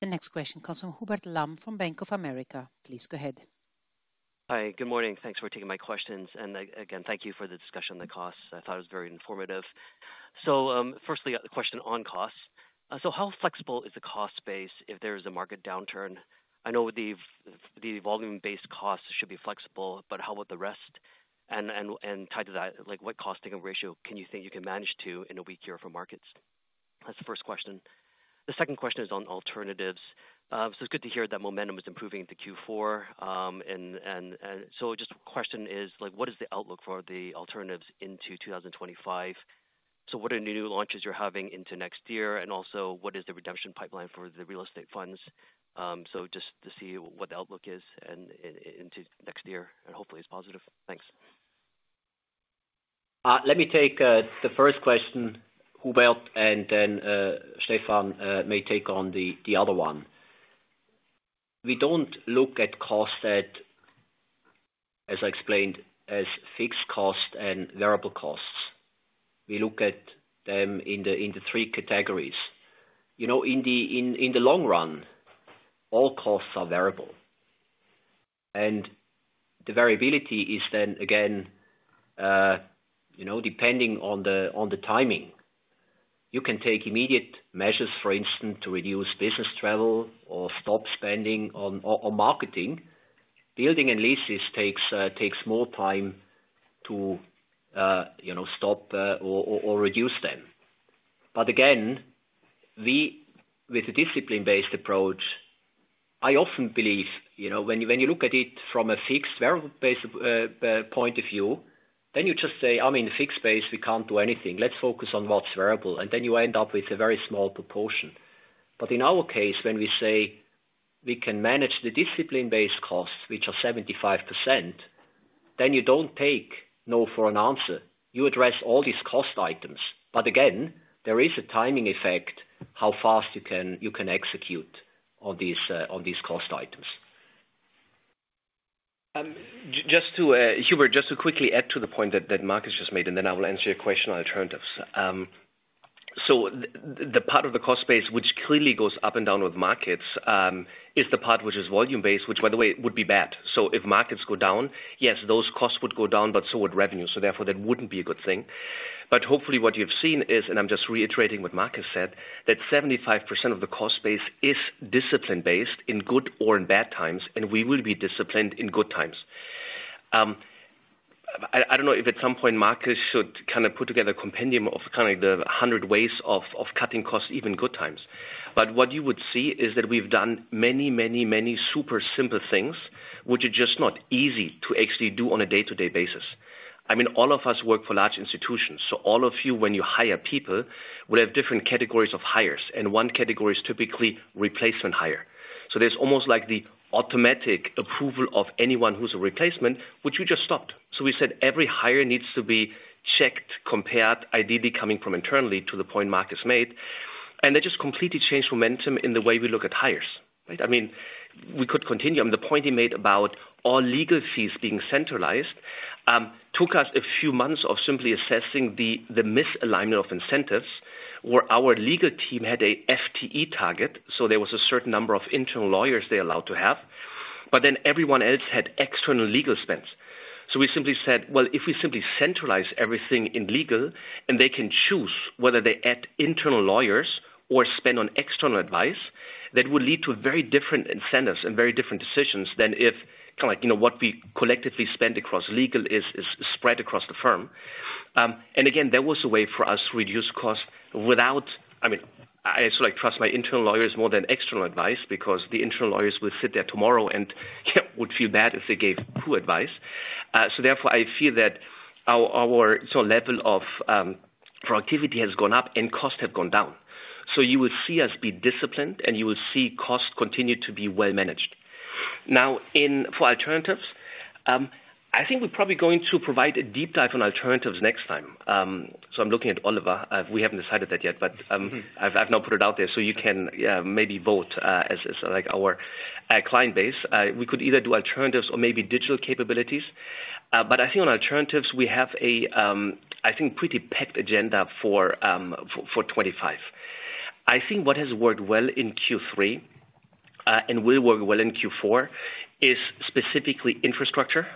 Speaker 1: The next question comes from Hubert Lam, from Bank of America. Please go ahead.
Speaker 7: Hi, good morning. Thanks for taking my questions. And again, thank you for the discussion on the costs. I thought it was very informative. So, firstly, a question on costs. So how flexible is the cost base if there is a market downturn? I know the volume-based costs should be flexible, but how about the rest? And tied to that, like, what cost-income ratio can you think you can manage to in a weak year for markets? That's the first question. The second question is on alternatives. So it's good to hear that momentum is improving to Q4. And so just the question is, like, what is the outlook for the alternatives into two thousand and twenty-five? So what are the new launches you're having into next year? And also, what is the redemption pipeline for the real estate funds? Just to see what the outlook is and into next year, and hopefully it's positive. Thanks.
Speaker 4: Let me take the first question, Hubert, and then Stefan may take on the other one. We don't look at costs, as I explained, as fixed costs and variable costs. We look at them in the three categories. You know, in the long run, all costs are variable, and the variability is then again, you know, depending on the timing. You can take immediate measures, for instance, to reduce business travel or stop spending on marketing. Buildings and leases takes more time to, you know, stop or reduce them. But again, we with a discipline-based approach, I often believe, you know, when you look at it from a fixed, variable base point of view, then you just say, "I mean, fixed base, we can't do anything. Let's focus on what's variable," and then you end up with a very small proportion. But in our case, when we say we can manage the discipline-based costs, which are 75%, then you don't take no for an answer. You address all these cost items. But again, there is a timing effect, how fast you can execute on these cost items.
Speaker 3: Just to quickly add to the point that Markus just made, and then I will answer your question on alternatives. The part of the cost base, which clearly goes up and down with markets, is the part which is volume-based, which, by the way, would be bad. If markets go down, yes, those costs would go down, but so would revenue, so therefore, that wouldn't be a good thing. Hopefully what you've seen is, and I'm just reiterating what Markus said, that 75% of the cost base is discipline-based in good or in bad times, and we will be disciplined in good times. I don't know if at some point, Markus should kind of put together a compendium of kind of the 100 ways of cutting costs, even good times. But what you would see is that we've done many, many, many super simple things, which are just not easy to actually do on a day-to-day basis. I mean, all of us work for large institutions, so all of you, when you hire people, will have different categories of hires, and one category is typically replacement hire. So there's almost like the automatic approval of anyone who's a replacement, which we just stopped. So we said every hire needs to be checked, compared, ideally coming from internally, to the point Markus made, and that just completely changed momentum in the way we look at hires, right? I mean, we could continue on the point he made about all legal fees being centralized, took us a few months of simply assessing the misalignment of incentives, where our legal team had a FTE target, so there was a certain number of internal lawyers they're allowed to have, but then everyone else had external legal spends. So we simply said, "Well, if we simply centralize everything in legal, and they can choose whether they add internal lawyers or spend on external advice, that will lead to very different incentives and very different decisions than if, kind of like, you know, what we collectively spend across legal is spread across the firm." And again, that was a way for us to reduce costs without... I mean, I sort of like trust my internal lawyers more than external advice, because the internal lawyers will sit there tomorrow and would feel bad if they gave poor advice. So therefore, I feel that our sort of level of productivity has gone up and costs have gone down. So you will see us be disciplined, and you will see costs continue to be well managed... Now, in for alternatives, I think we're probably going to provide a deep dive on alternatives next time. So I'm looking at Oliver. We haven't decided that yet, but, I've now put it out there so you can maybe vote, as like our client base. We could either do alternatives or maybe digital capabilities. But I think on alternatives, we have a pretty packed agenda for 2025. I think what has worked well in Q3 and will work well in Q4 is specifically infrastructure.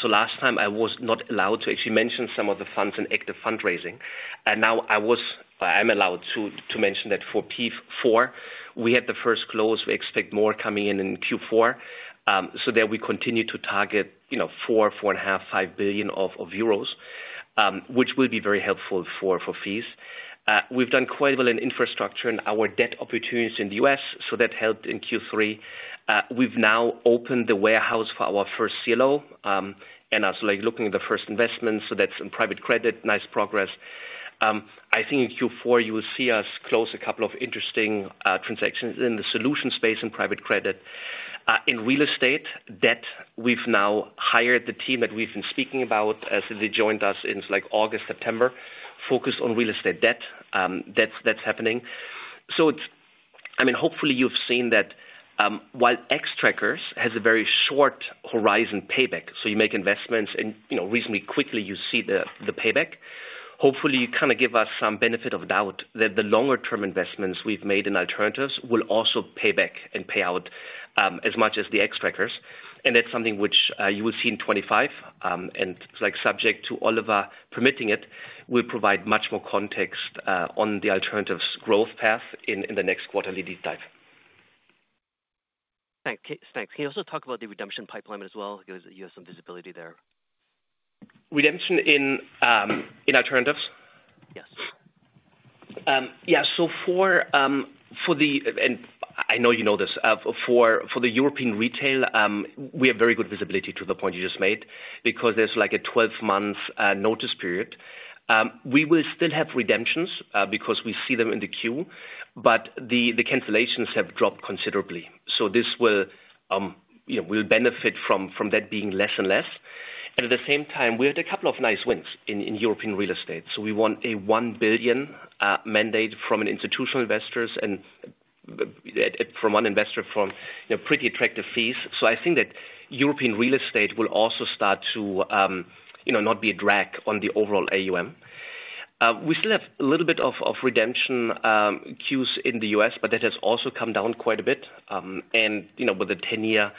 Speaker 3: So last time I was not allowed to actually mention some of the funds in active fundraising, and now I am allowed to mention that for PEIF IV, we had the first close. We expect more coming in in Q4. So then we continue to target, you know, 4 billion, EUR 4.5 billion, 5 billion euros, which will be very helpful for fees. We've done quite well in infrastructure and our debt opportunities in the US, so that helped in Q3. We've now opened the warehouse for our first CLO, and are like looking at the first investment, so that's in private credit. Nice progress. I think in Q4 you will see us close a couple of interesting transactions in the solution space in private credit. In real estate debt, we've now hired the team that we've been speaking about, as they joined us in, like, August, September, focused on real estate debt. That's happening. So it's I mean, hopefully you've seen that, while Xtrackers has a very short horizon payback, so you make investments and, you know, reasonably quickly you see the payback. Hopefully, you kind of give us some benefit of doubt that the longer term investments we've made in alternatives will also pay back and pay out, as much as the Xtrackers, and that's something which you will see in 2025, and like, subject to Oliver permitting it, we'll provide much more context on the alternatives growth path in the next quarterly deep dive.
Speaker 7: Thanks. Can you also talk about the redemption pipeline as well, because you have some visibility there?
Speaker 3: Redemption in alternatives?
Speaker 7: Yes.
Speaker 3: Yeah. So for the European retail, we have very good visibility to the point you just made, because there's like a twelve-month notice period. We will still have redemptions, because we see them in the queue, but the cancellations have dropped considerably. So this will, you know, benefit from that being less and less. And at the same time, we had a couple of nice wins in European real estate, so we won a 1 billion mandate from an institutional investor and from one investor with pretty attractive fees. So I think that European real estate will also start to, you know, not be a drag on the overall AUM. We still have a little bit of redemption queues in the US, but that has also come down quite a bit, and you know, with the ten-year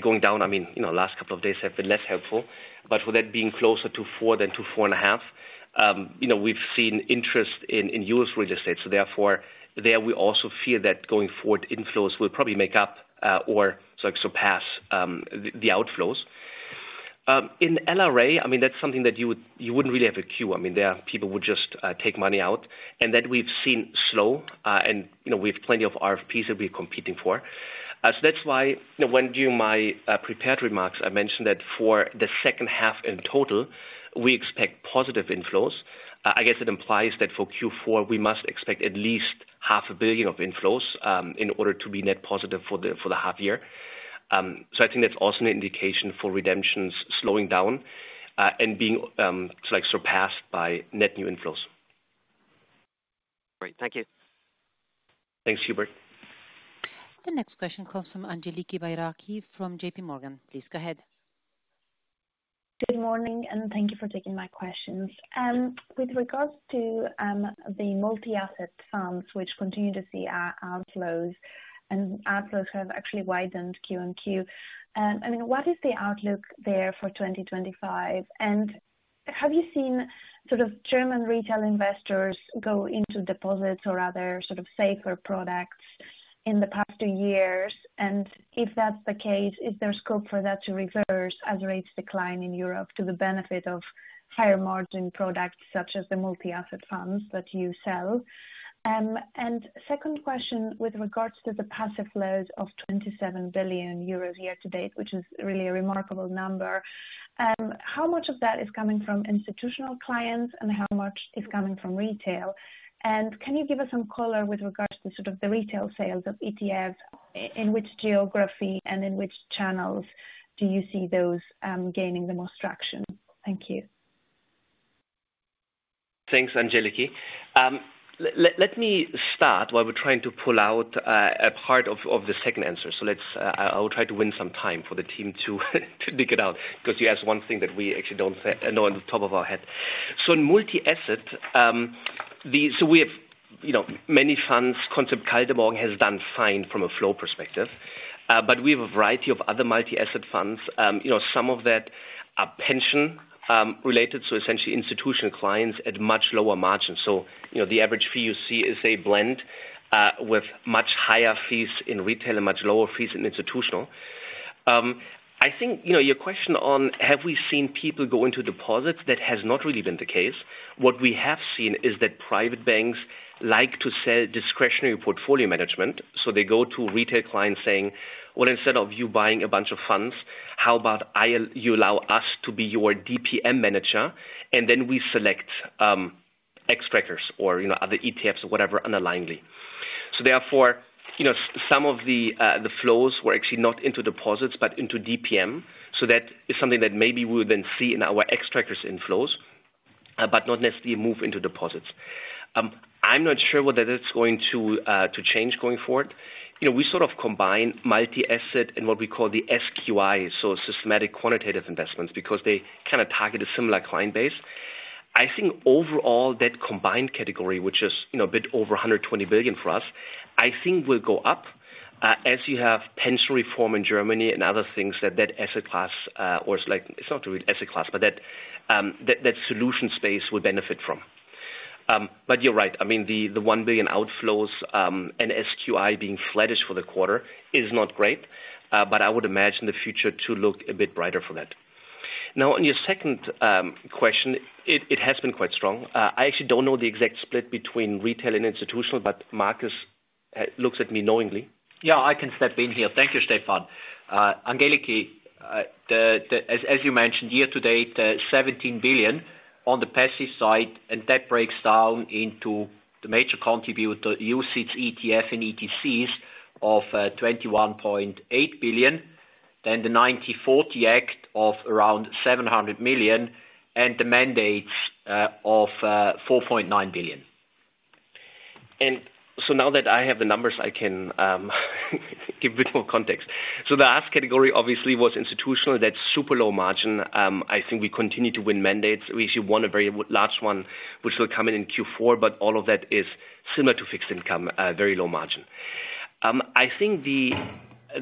Speaker 3: going down. I mean, you know, last couple of days have been less helpful, but with that being closer to four than to four and a half, you know, we've seen interest in US real estate. So therefore, there we also feel that going forward, inflows will probably make up or like surpass the outflows. In LRA, I mean, that's something that you wouldn't really have a queue. I mean, there are people who just take money out, and that we've seen slow, and you know, we have plenty of RFPs that we're competing for. So that's why, you know, when doing my prepared remarks, I mentioned that for the second half in total, we expect positive inflows. I guess it implies that for Q4, we must expect at least 0.5 billion of inflows in order to be net positive for the half year. So I think that's also an indication for redemptions slowing down and being like surpassed by net new inflows.
Speaker 7: Great. Thank you.
Speaker 3: Thanks, Hubert.
Speaker 1: The next question comes from Angeliki Georgiou from J.P. Morgan. Please go ahead.
Speaker 8: Good morning, and thank you for taking my questions. With regards to the multi-asset funds, which continue to see outflows, and outflows have actually widened Q-on-Q. I mean, what is the outlook there for 2025? Have you seen sort of German retail investors go into deposits or other sort of safer products in the past two years? And if that's the case, is there scope for that to reverse as rates decline in Europe to the benefit of higher margin products such as the multi-asset funds that you sell? And second question, with regards to the passive flows of 27 billion euros year to date, which is really a remarkable number, how much of that is coming from institutional clients, and how much is coming from retail? Can you give us some color with regards to sort of the retail sales of ETFs, in which geography and in which channels do you see those gaining the most traction? Thank you.
Speaker 3: Thanks, Angeliki. Let me start while we're trying to pull out a part of the second answer. So, I will try to win some time for the team to dig it out, because you asked one thing that we actually don't know off the top of our head. So in multi-asset, the, so we have, you know, many funds. Concept Kaldemorgen has done fine from a flow perspective, but we have a variety of other multi-asset funds. You know, some of that are pension related, so essentially institutional clients at much lower margins. So, you know, the average fee you see is a blend with much higher fees in retail and much lower fees in institutional. I think, you know, your question on, have we seen people go into deposits? That has not really been the case. What we have seen is that private banks like to sell discretionary portfolio management. So they go to retail clients saying: "Well, instead of you buying a bunch of funds, how about you allow us to be your DPM manager, and then we select Xtrackers or, you know, other ETFs or whatever, underlyingly. So therefore, you know, some of the, the flows were actually not into deposits but into DPM, so that is something that maybe we would then see in our Xtrackers inflows, but not necessarily move into deposits. I'm not sure whether that's going to change going forward. You know, we sort of combine multi-asset in what we call the SQI, so Systematic Quantitative Investments, because they kind of target a similar client base. I think overall, that combined category, which is, you know, a bit over 120 billion for us, I think will go up, as you have pension reform in Germany and other things that asset class, or like, it's not really asset class, but that solution space will benefit from, but you're right, I mean, the 1 billion outflows and SQI being flattish for the quarter is not great, but I would imagine the future to look a bit brighter for that. Now, on your second question, it has been quite strong. I actually don't know the exact split between retail and institutional, but Markus looks at me knowingly.
Speaker 4: Yeah, I can step in here. Thank you, Stefan. Angeliki, as you mentioned, year to date, 17 billion on the passive side, and that breaks down into the major contributor, UCITS ETF and ETCs of 21.8 billion, then the 1940 Act of around 700 million, and the mandates of 4.9 billion. And so now that I have the numbers, I can give a bit more context. So the last category obviously was institutional, that's super low margin. I think we continue to win mandates. We actually won a very large one, which will come in in Q4, but all of that is similar to fixed income, a very low margin. I think the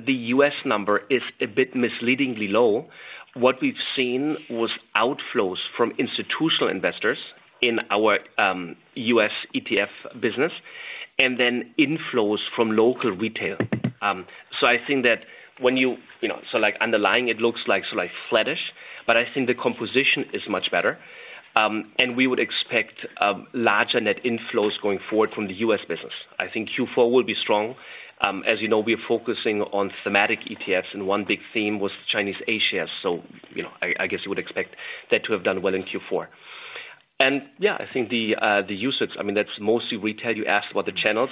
Speaker 4: US number is a bit misleadingly low. What we've seen was outflows from institutional investors in our US ETF business, and then inflows from local retail. So I think that when you know, so like underlying it looks like flattish, but I think the composition is much better. And we would expect larger net inflows going forward from the US business. I think Q4 will be strong. As you know, we are focusing on thematic ETFs, and one big theme was Chinese A shares. So you know, I guess you would expect that to have done well in Q4. And yeah, I think the usage, I mean, that's mostly retail. You asked about the channels.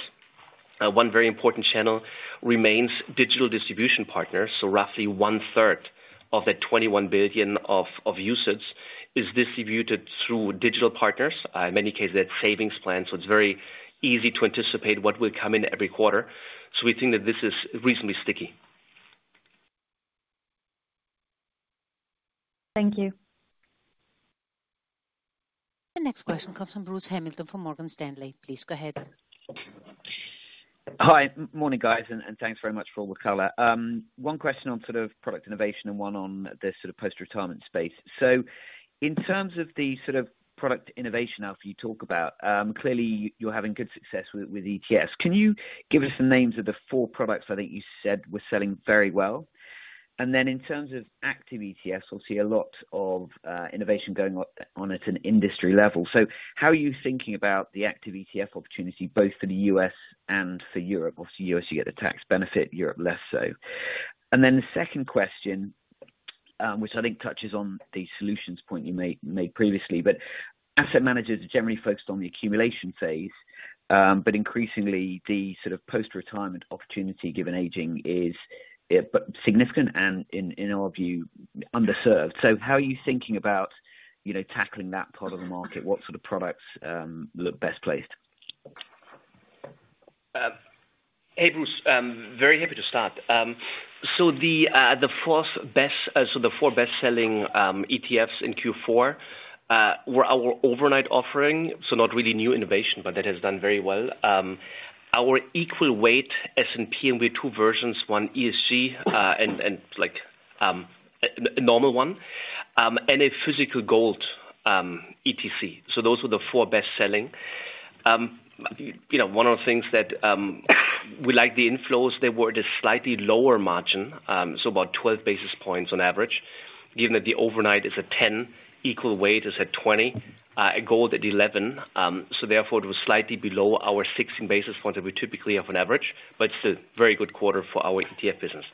Speaker 4: One very important channel remains digital distribution partners. So roughly one third of that 21 billion of UCITS is distributed through digital partners, in many cases, that's savings plans, so it's very easy to anticipate what will come in every quarter. So we think that this is reasonably sticky.
Speaker 8: Thank you.
Speaker 1: The next question comes from Bruce Hamilton, from Morgan Stanley. Please go ahead.
Speaker 9: Hi. Morning, guys, and thanks very much for all the color. One question on sort of product innovation and one on the sort of post-retirement space. So in terms of the sort of product innovation alpha you talk about, clearly you're having good success with ETFs. Can you give us the names of the four products I think you said were selling very well? And then in terms of active ETFs, we'll see a lot of innovation going on at an industry level. So how are you thinking about the active ETF opportunity, both for the U.S. and for Europe? Obviously, U.S., you get the tax benefit, Europe, less so. Then the second question, which I think touches on the solutions point you made previously, but asset managers are generally focused on the accumulation phase, but increasingly the sort of post-retirement opportunity, given aging, is significant and in our view, underserved. So how are you thinking about, you know, tackling that part of the market? What sort of products look best placed?
Speaker 3: Hey, Bruce, very happy to start. So the four best-selling ETFs in Q4 were our overnight offering, so not really new innovation, but that has done very well. Our equal weight S&P, and we have two versions, one ESG, and like a normal one, and a physical gold ETC. So those were the four best-selling. You know, one of the things that we like the inflows, they were at a slightly lower margin, so about 12 basis points on average, given that the overnight is a 10, equal weight is at 20, gold at 11. So therefore, it was slightly below our 16 basis point that we typically have on average, but it's a very good quarter for our ETF business.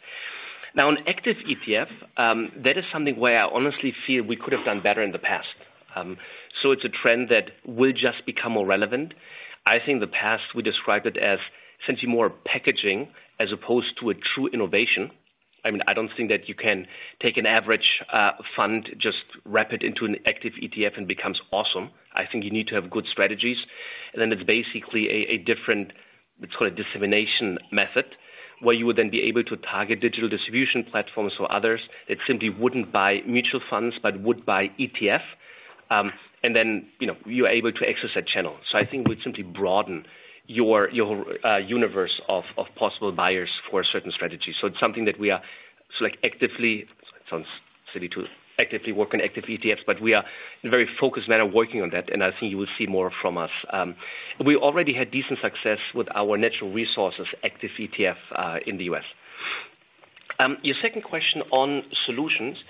Speaker 3: Now, on active ETF, that is something where I honestly feel we could have done better in the past. So it's a trend that will just become more relevant. I think the past, we described it as simply more packaging as opposed to a true innovation. I mean, I don't think that you can take an average fund, just wrap it into an Active ETF and becomes awesome. I think you need to have good strategies, and then it's basically a different, let's call it dissemination method, where you would then be able to target digital distribution platforms or others that simply wouldn't buy mutual funds, but would buy ETF. And then, you know, you are able to access that channel. So I think it would simply broaden your universe of possible buyers for a certain strategy. So it's something that we are sort of like actively, it sounds silly to actively work on active ETFs, but we are in a very focused manner working on that, and I think you will see more from us. We already had decent success with our natural resources, active ETF, in the U.S. Your second question on solutions,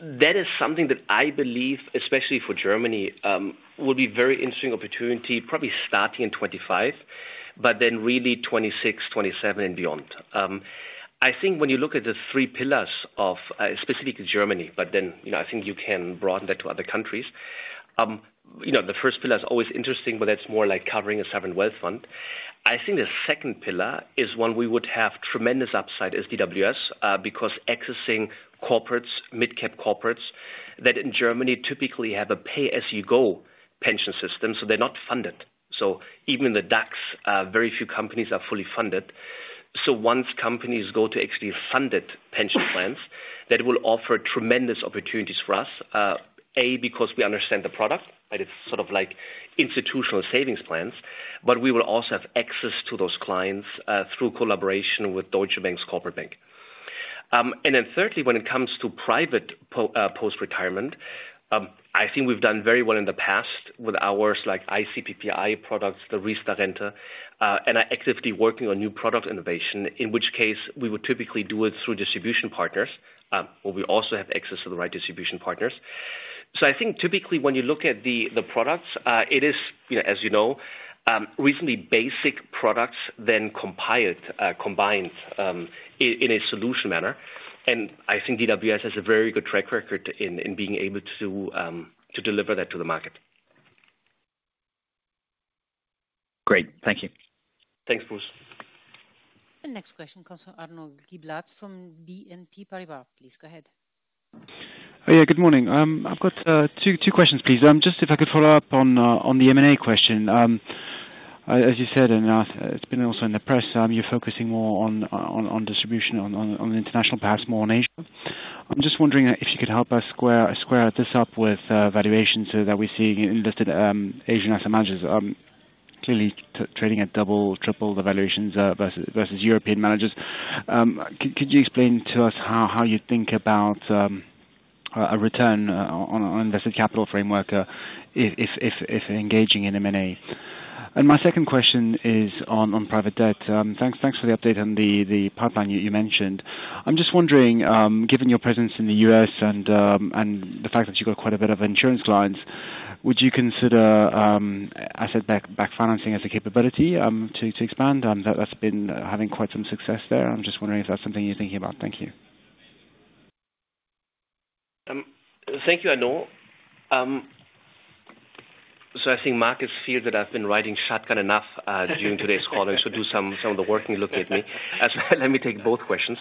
Speaker 3: that is something that I believe, especially for Germany, will be very interesting opportunity, probably starting in 2025, but then really 2026, 2027, and beyond. I think when you look at the three pillars of, specific to Germany, but then, you know, I think you can broaden that to other countries. You know, the first pillar is always interesting, but that's more like covering a sovereign wealth fund. I think the second pillar is one we would have tremendous upside as DWS, because accessing corporates, mid-cap corporates, that in Germany typically have a pay-as-you-go pension system, so they're not funded. So even the DAX, very few companies are fully funded. So once companies go to actually funded pension plans, that will offer tremendous opportunities for us, A, because we understand the product, right? It's sort of like institutional savings plans, but we will also have access to those clients, through collaboration with Deutsche Bank's corporate bank. And then thirdly, when it comes to private post-retirement, I think we've done very well in the past with ours, like iCPPI products, the Riester Rente, and are actively working on new product innovation, in which case we would typically do it through distribution partners, where we also have access to the right distribution partners. So I think typically when you look at the products, it is, you know, recently basic products then compiled, combined, in a solution manner. And I think DWS has a very good track record in being able to deliver that to the market.
Speaker 9: Great. Thank you.
Speaker 3: Thanks, Bruce.
Speaker 1: The next question comes from Arnaud Giblat from BNP Paribas. Please go ahead.
Speaker 10: Yeah, good morning. I've got two questions, please. Just if I could follow up on the M&A question. As you said, and it's been also in the press, you're focusing more on distribution, on the international, perhaps more on Asia. I'm just wondering if you could help us square this up with valuations so that we're seeing in listed Asian asset managers, clearly trading at double, triple the valuations versus European managers. Could you explain to us how you think about a return on invested capital framework if engaging in M&A? And my second question is on private debt. Thanks for the update on the pipeline you mentioned. I'm just wondering, given your presence in the US and the fact that you've got quite a bit of insurance clients, would you consider asset-backed financing as a capability to expand? That's been having quite some success there. I'm just wondering if that's something you're thinking about. Thank you.
Speaker 3: Thank you, Arnaud. I think Markus feels that I've been riding shotgun enough during today's call, and so do some of the working. He's looking at me. Let me take both questions.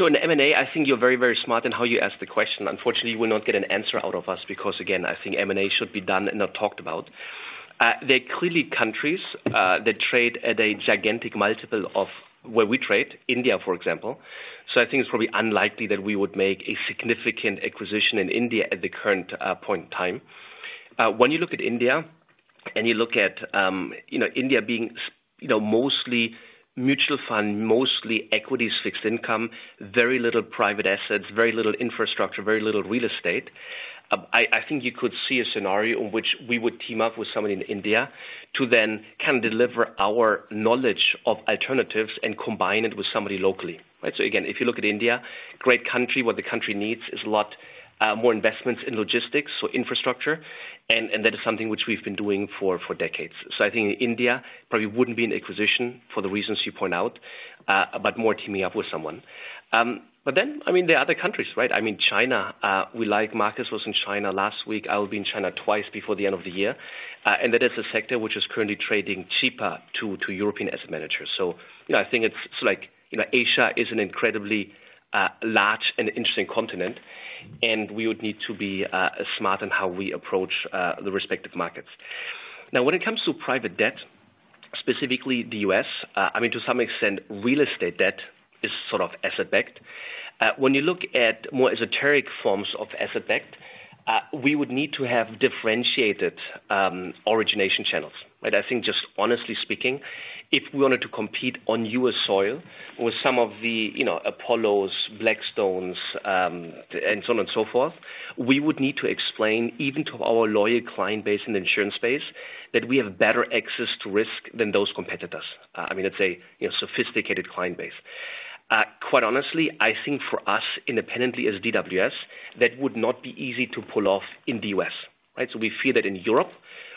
Speaker 3: In M&A, I think you're very, very smart in how you ask the question. Unfortunately, you will not get an answer out of us, because again, I think M&A should be done and not talked about. There are clearly countries that trade at a gigantic multiple of where we trade, India, for example. I think it's probably unlikely that we would make a significant acquisition in India at the current point in time. When you look at India and you look at, you know, India being mostly mutual fund, mostly equities, fixed income, very little private assets, very little infrastructure, very little real estate, I think you could see a scenario in which we would team up with somebody in India to then kind of deliver our knowledge of alternatives and combine it with somebody locally, right? So again, if you look at India, great country, what the country needs is a lot more investments in logistics, so infrastructure, and that is something which we've been doing for decades. So I think India probably wouldn't be an acquisition for the reasons you point out, but more teaming up with someone. But then, I mean, there are other countries, right? I mean, China, we like. Markus was in China last week. I will be in China twice before the end of the year. And that is a sector which is currently trading cheaper to European asset managers. So, you know, I think it's like, you know, Asia is an incredibly large and interesting continent, and we would need to be smart in how we approach the respective markets. Now, when it comes to private debt, specifically the U.S., I mean, to some extent, real estate debt is sort of asset-backed. When you look at more esoteric forms of asset-backed, we would need to have differentiated origination channels. But I think, just honestly speaking, if we wanted to compete on U.S. soil with some of the, you know, Apollos, Blackstones, and so on and so forth, we would need to explain, even to our loyal client base in the insurance space, that we have better access to risk than those competitors. I mean, it's a, you know, sophisticated client base. Quite honestly, I think for us, independently as DWS, that would not be easy to pull off in the U.S., right? So we feel that in Europe,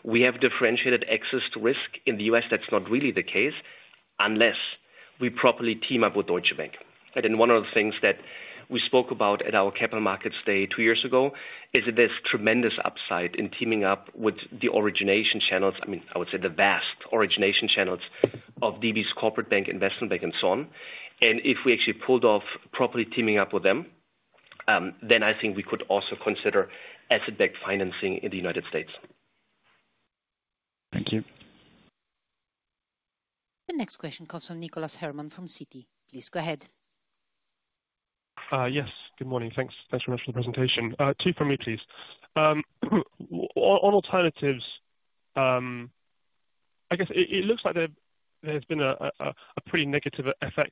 Speaker 3: we have differentiated access to risk. In the U.S., that's not really the case, unless we properly team up with Deutsche Bank. And then one of the things that we spoke about at our Capital Markets Day two years ago, is that there's tremendous upside in teaming up with the origination channels. I mean, I would say the vast origination channels of DB's corporate bank, investment bank, and so on. And if we actually pulled off properly teaming up with them, then I think we could also consider asset-backed financing in the United States.
Speaker 10: Thank you.
Speaker 1: The next question comes from Nicholas Herman from Citi. Please go ahead.
Speaker 11: Yes, good morning. Thanks. Thanks very much for the presentation. Two from me, please. On alternatives, I guess it looks like there's been a pretty negative FX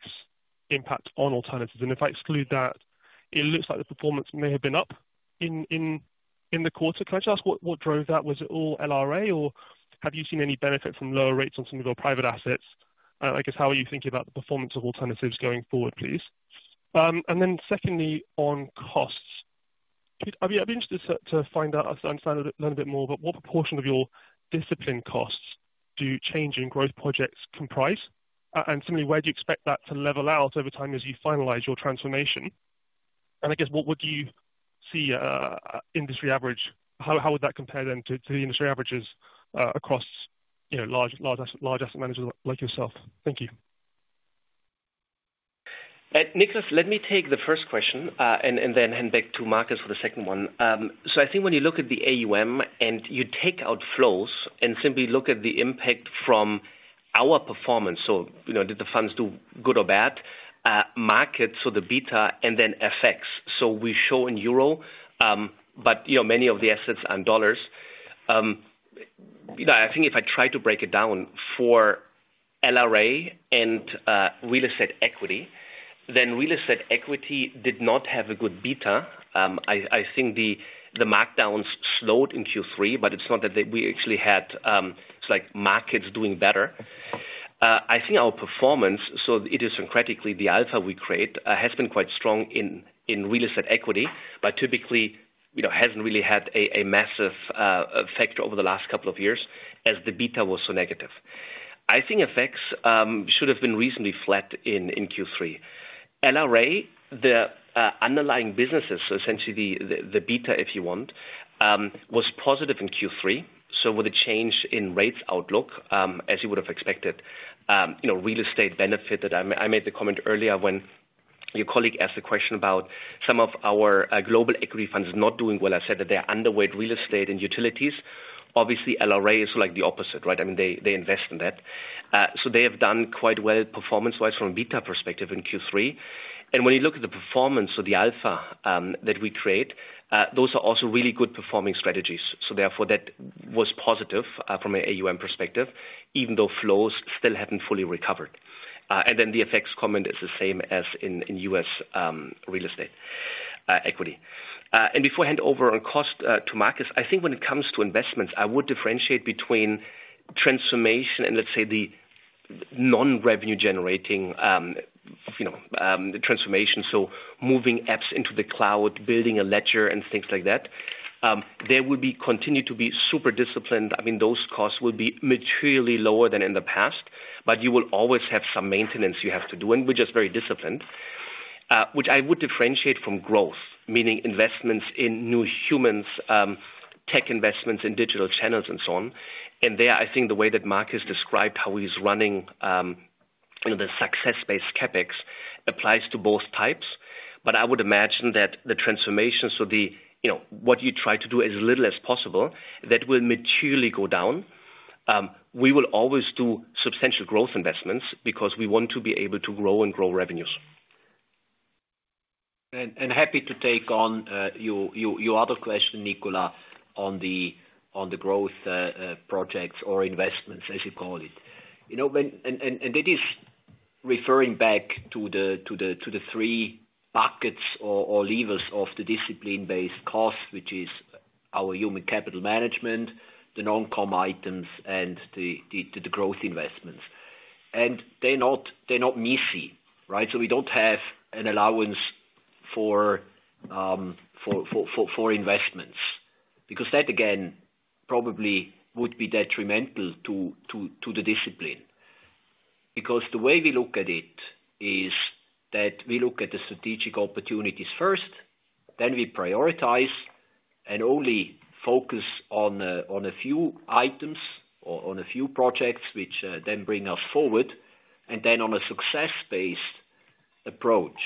Speaker 11: impact on alternatives, and if I exclude that, it looks like the performance may have been up in the quarter. Can I just ask what drove that? Was it all LRA, or have you seen any benefit from lower rates on some of your private assets? I guess, how are you thinking about the performance of alternatives going forward, please? And then secondly, on costs. Keith, I'd be interested to find out, understand a little, learn a bit more about what proportion of your discretionary costs do the change in growth projects comprise? And similarly, where do you expect that to level out over time as you finalize your transformation? And I guess, what would you see, industry average, how would that compare then to the industry averages across, you know, large asset managers like yourself? Thank you.
Speaker 3: Nicholas, let me take the first question, and then hand back to Markus for the second one. So I think when you look at the AUM, and you take out flows and simply look at the impact from our performance, so, you know, did the funds do good or bad? Markets, so the beta and then effects. So we show in euro, but you know, many of the assets are in dollars. You know, I think if I try to break it down for LRA and real estate equity, then real estate equity did not have a good beta. I think the markdowns slowed in Q3, but it's not that we actually had, it's like markets doing better. I think our performance, so idiosyncratically, the alpha we create has been quite strong in real estate equity, but typically, you know, hasn't really had a massive effect over the last couple of years as the beta was so negative. I think effects should have been reasonably flat in Q3. LRA, the underlying businesses, so essentially the beta, if you want, was positive in Q3. So with a change in rates outlook, as you would have expected, you know, real estate benefited. I made the comment earlier when your colleague asked a question about some of our global equity funds not doing well. I said that they're underweight real estate and utilities. Obviously, LRA is like the opposite, right? I mean, they invest in that. So they have done quite well performance-wise from beta perspective in Q3. And when you look at the performance of the alpha that we create, those are also really good performing strategies. So therefore, that was positive from an AUM perspective, even though flows still haven't fully recovered. And then the effects comment is the same as in US real estate equity. And before I hand over on cost to Markus, I think when it comes to investments, I would differentiate between transformation and, let's say, the non-revenue generating, you know, the transformation. So moving apps into the cloud, building a ledger, and things like that, there will be continued to be super disciplined. I mean, those costs will be materially lower than in the past, but you will always have some maintenance you have to do, and we're just very disciplined. Which I would differentiate from growth, meaning investments in new humans, tech investments in digital channels and so on. And there, I think the way that Markus described how he's running, you know, the success-based CapEx applies to both types. But I would imagine that the transformation, so the, you know, what you try to do as little as possible, that will materially go down. We will always do substantial growth investments because we want to be able to grow and grow revenues.
Speaker 4: Happy to take on your other question, Nicholas, on the growth projects or investments, as you call it. You know, it is referring back to the three buckets or levers of the discipline-based cost, which is our human capital management, the non-comp items, and the growth investments. They're not missing, right? So we don't have an allowance for investments, because that, again, probably would be detrimental to the discipline. Because the way we look at it is that we look at the strategic opportunities first, then we prioritize and only focus on a few items or on a few projects which then bring us forward. And then on a success-based approach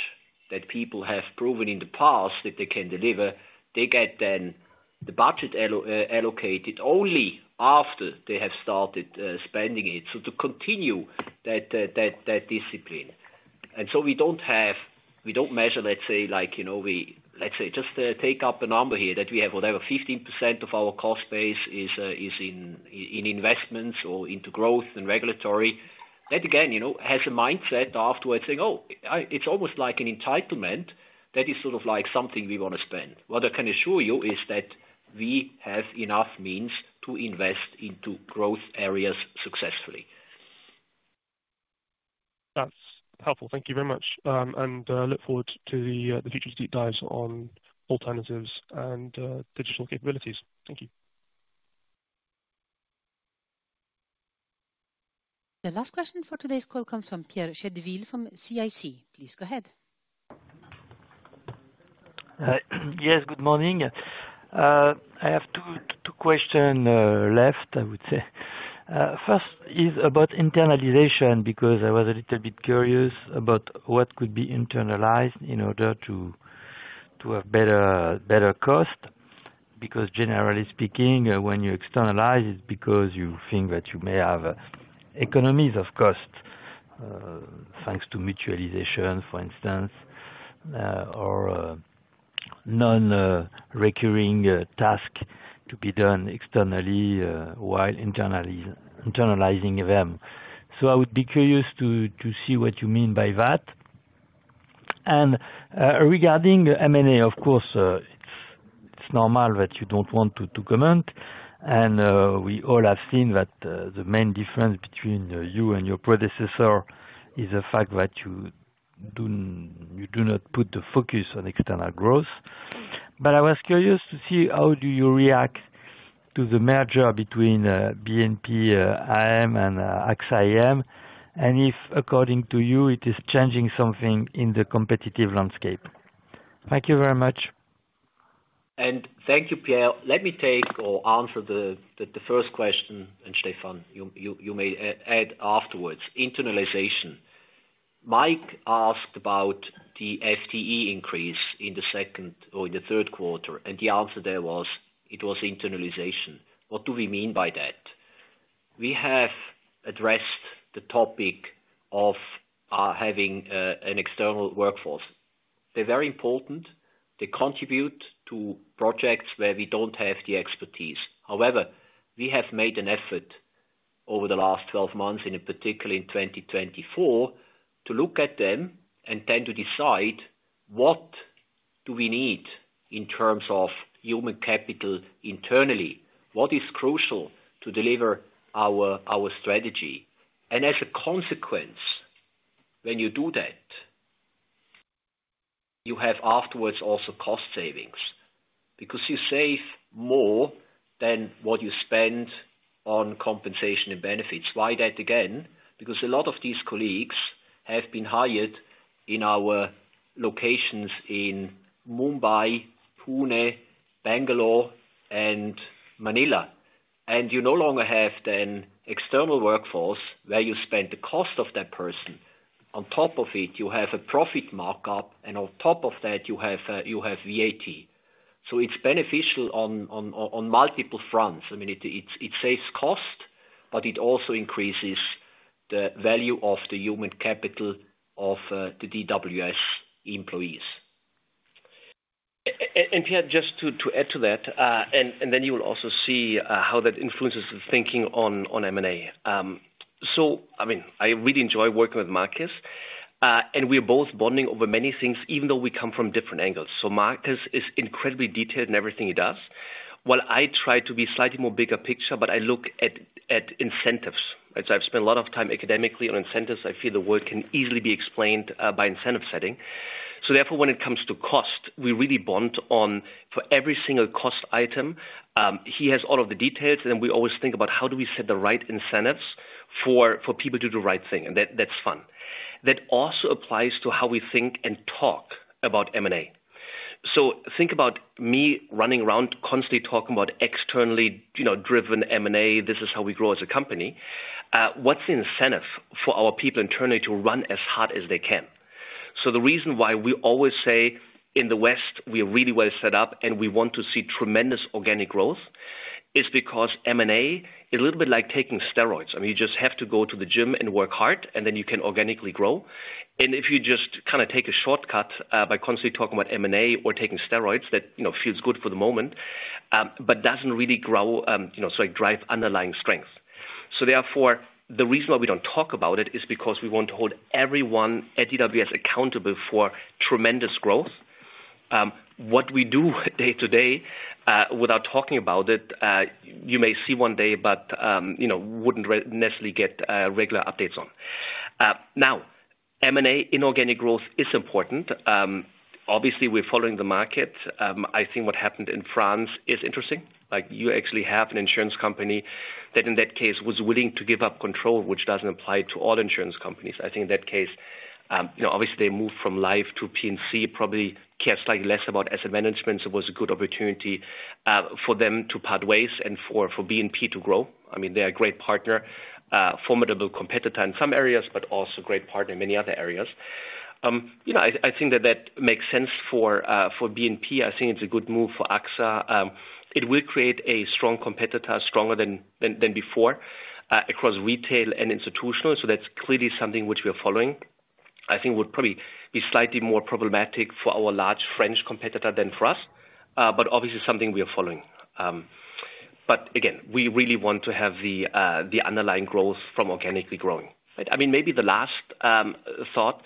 Speaker 4: that people have proven in the past that they can deliver, they get then the budget allocated only after they have started spending it, so to continue that discipline. And so we don't have. We don't measure, let's say, like, you know, let's say, just take up a number here, that we have whatever, 15% of our cost base is in investments or into growth and regulatory. That, again, you know, has a mindset afterwards saying, "Oh, I..." It's almost like an entitlement that is sort of like something we wanna spend. What I can assure you is that we have enough means to invest into growth areas successfully.
Speaker 11: That's helpful. Thank you very much, and look forward to the future deep dives on alternatives and digital capabilities. Thank you.
Speaker 1: The last question for today's call comes from Pierre Chedeville from CIC. Please go ahead.
Speaker 12: Yes, good morning. I have two questions left, I would say. First is about internalization, because I was a little bit curious about what could be internalized in order to have better cost. Because generally speaking, when you externalize, it's because you think that you may have economies of cost, thanks to mutualization, for instance, or non-recurring task to be done externally, while internally internalizing them. So I would be curious to see what you mean by that. And regarding M&A, of course. It's normal that you don't want to comment, and we all have seen that the main difference between you and your predecessor is the fact that you do not put the focus on external growth. But I was curious to see how do you react to the merger between BNP IM and AXA IM, and if, according to you, it is changing something in the competitive landscape? Thank you very much.
Speaker 4: Thank you, Pierre. Let me take or answer the first question, and Stefan, you may add afterwards. Internalization. Mike asked about the FTE increase in the second or in the third quarter, and the answer there was, it was internalization. What do we mean by that? We have addressed the topic of having an external workforce. They're very important. They contribute to projects where we don't have the expertise. However, we have made an effort over the last twelve months, and in particular in twenty twenty-four, to look at them and then to decide what do we need in terms of human capital internally? What is crucial to deliver our strategy? And as a consequence, when you do that, you have afterwards also cost savings, because you save more than what you spend on compensation and benefits. Why that, again? Because a lot of these colleagues have been hired in our locations in Mumbai, Pune, Bangalore, and Manila, and you no longer have an external workforce, where you spend the cost of that person. On top of it, you have a profit markup, and on top of that, you have VAT. So it's beneficial on multiple fronts. I mean, it saves cost, but it also increases the value of the human capital of the DWS employees.
Speaker 3: And, Pierre, just to add to that, and then you will also see how that influences the thinking on M&A. So, I mean, I really enjoy working with Markus, and we're both bonding over many things, even though we come from different angles. So Markus is incredibly detailed in everything he does, while I try to be slightly more bigger picture, but I look at incentives. As I've spent a lot of time academically on incentives, I feel the world can easily be explained by incentive setting. So therefore, when it comes to cost, we really bond on, for every single cost item, he has all of the details, and then we always think about how do we set the right incentives for people to do the right thing? And that, that's fun. That also applies to how we think and talk about M&A. So think about me running around constantly talking about externally, you know, driven M&A, this is how we grow as a company. What's the incentive for our people internally to run as hard as they can? So the reason why we always say in the West, we're really well set up and we want to see tremendous organic growth, is because M&A is a little bit like taking steroids. I mean, you just have to go to the gym and work hard, and then you can organically grow. And if you just kinda take a shortcut by constantly talking about M&A or taking steroids, that, you know, feels good for the moment, but doesn't really grow, you know, so it drive underlying strength. So therefore, the reason why we don't talk about it is because we want to hold everyone at DWS accountable for tremendous growth. What we do day to day, without talking about it, you may see one day, but, you know, wouldn't necessarily get regular updates on. Now, M&A inorganic growth is important. Obviously, we're following the market. I think what happened in France is interesting. Like, you actually have an insurance company that in that case was willing to give up control, which doesn't apply to all insurance companies. I think in that case, you know, obviously, they moved from life to P&C, probably cared slightly less about asset management, so it was a good opportunity, for them to part ways and for BNP to grow. I mean, they're a great partner, formidable competitor in some areas, but also great partner in many other areas. You know, I think that makes sense for BNP. I think it's a good move for AXA. It will create a strong competitor, stronger than before, across retail and institutional, so that's clearly something which we are following. I think it would probably be slightly more problematic for our large French competitor than for us, but obviously something we are following. But again, we really want to have the underlying growth from organically growing. I mean, maybe the last thought,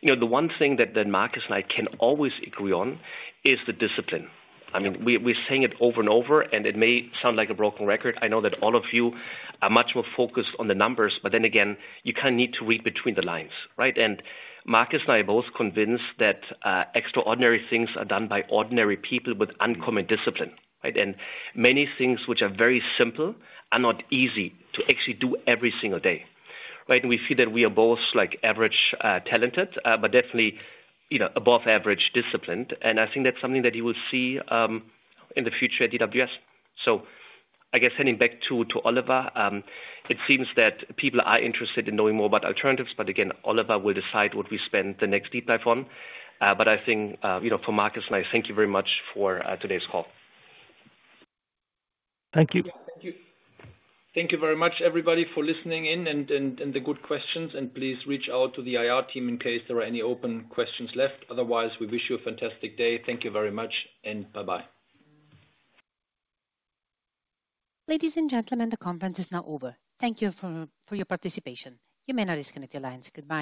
Speaker 3: you know, the one thing that Markus and I can always agree on is the discipline. I mean, we're saying it over and over, and it may sound like a broken record. I know that all of you are much more focused on the numbers, but then again, you kinda need to read between the lines, right? And Markus and I are both convinced that extraordinary things are done by ordinary people with uncommon discipline, right? And many things which are very simple are not easy to actually do every single day, right? And we see that we are both, like, average talented, but definitely, you know, above average disciplined, and I think that's something that you will see in the future at DWS. So I guess sending back to Oliver, it seems that people are interested in knowing more about alternatives, but again, Oliver will decide what we spend the next deep dive on. But I think, you know, for Markus and I, thank you very much for today's call.
Speaker 12: Thank you.
Speaker 2: Thank you. Thank you very much, everybody, for listening in and the good questions, and please reach out to the IR team in case there are any open questions left. Otherwise, we wish you a fantastic day. Thank you very much and bye-bye.
Speaker 1: Ladies and gentlemen, the conference is now over. Thank you for your participation. You may now disconnect your lines. Goodbye.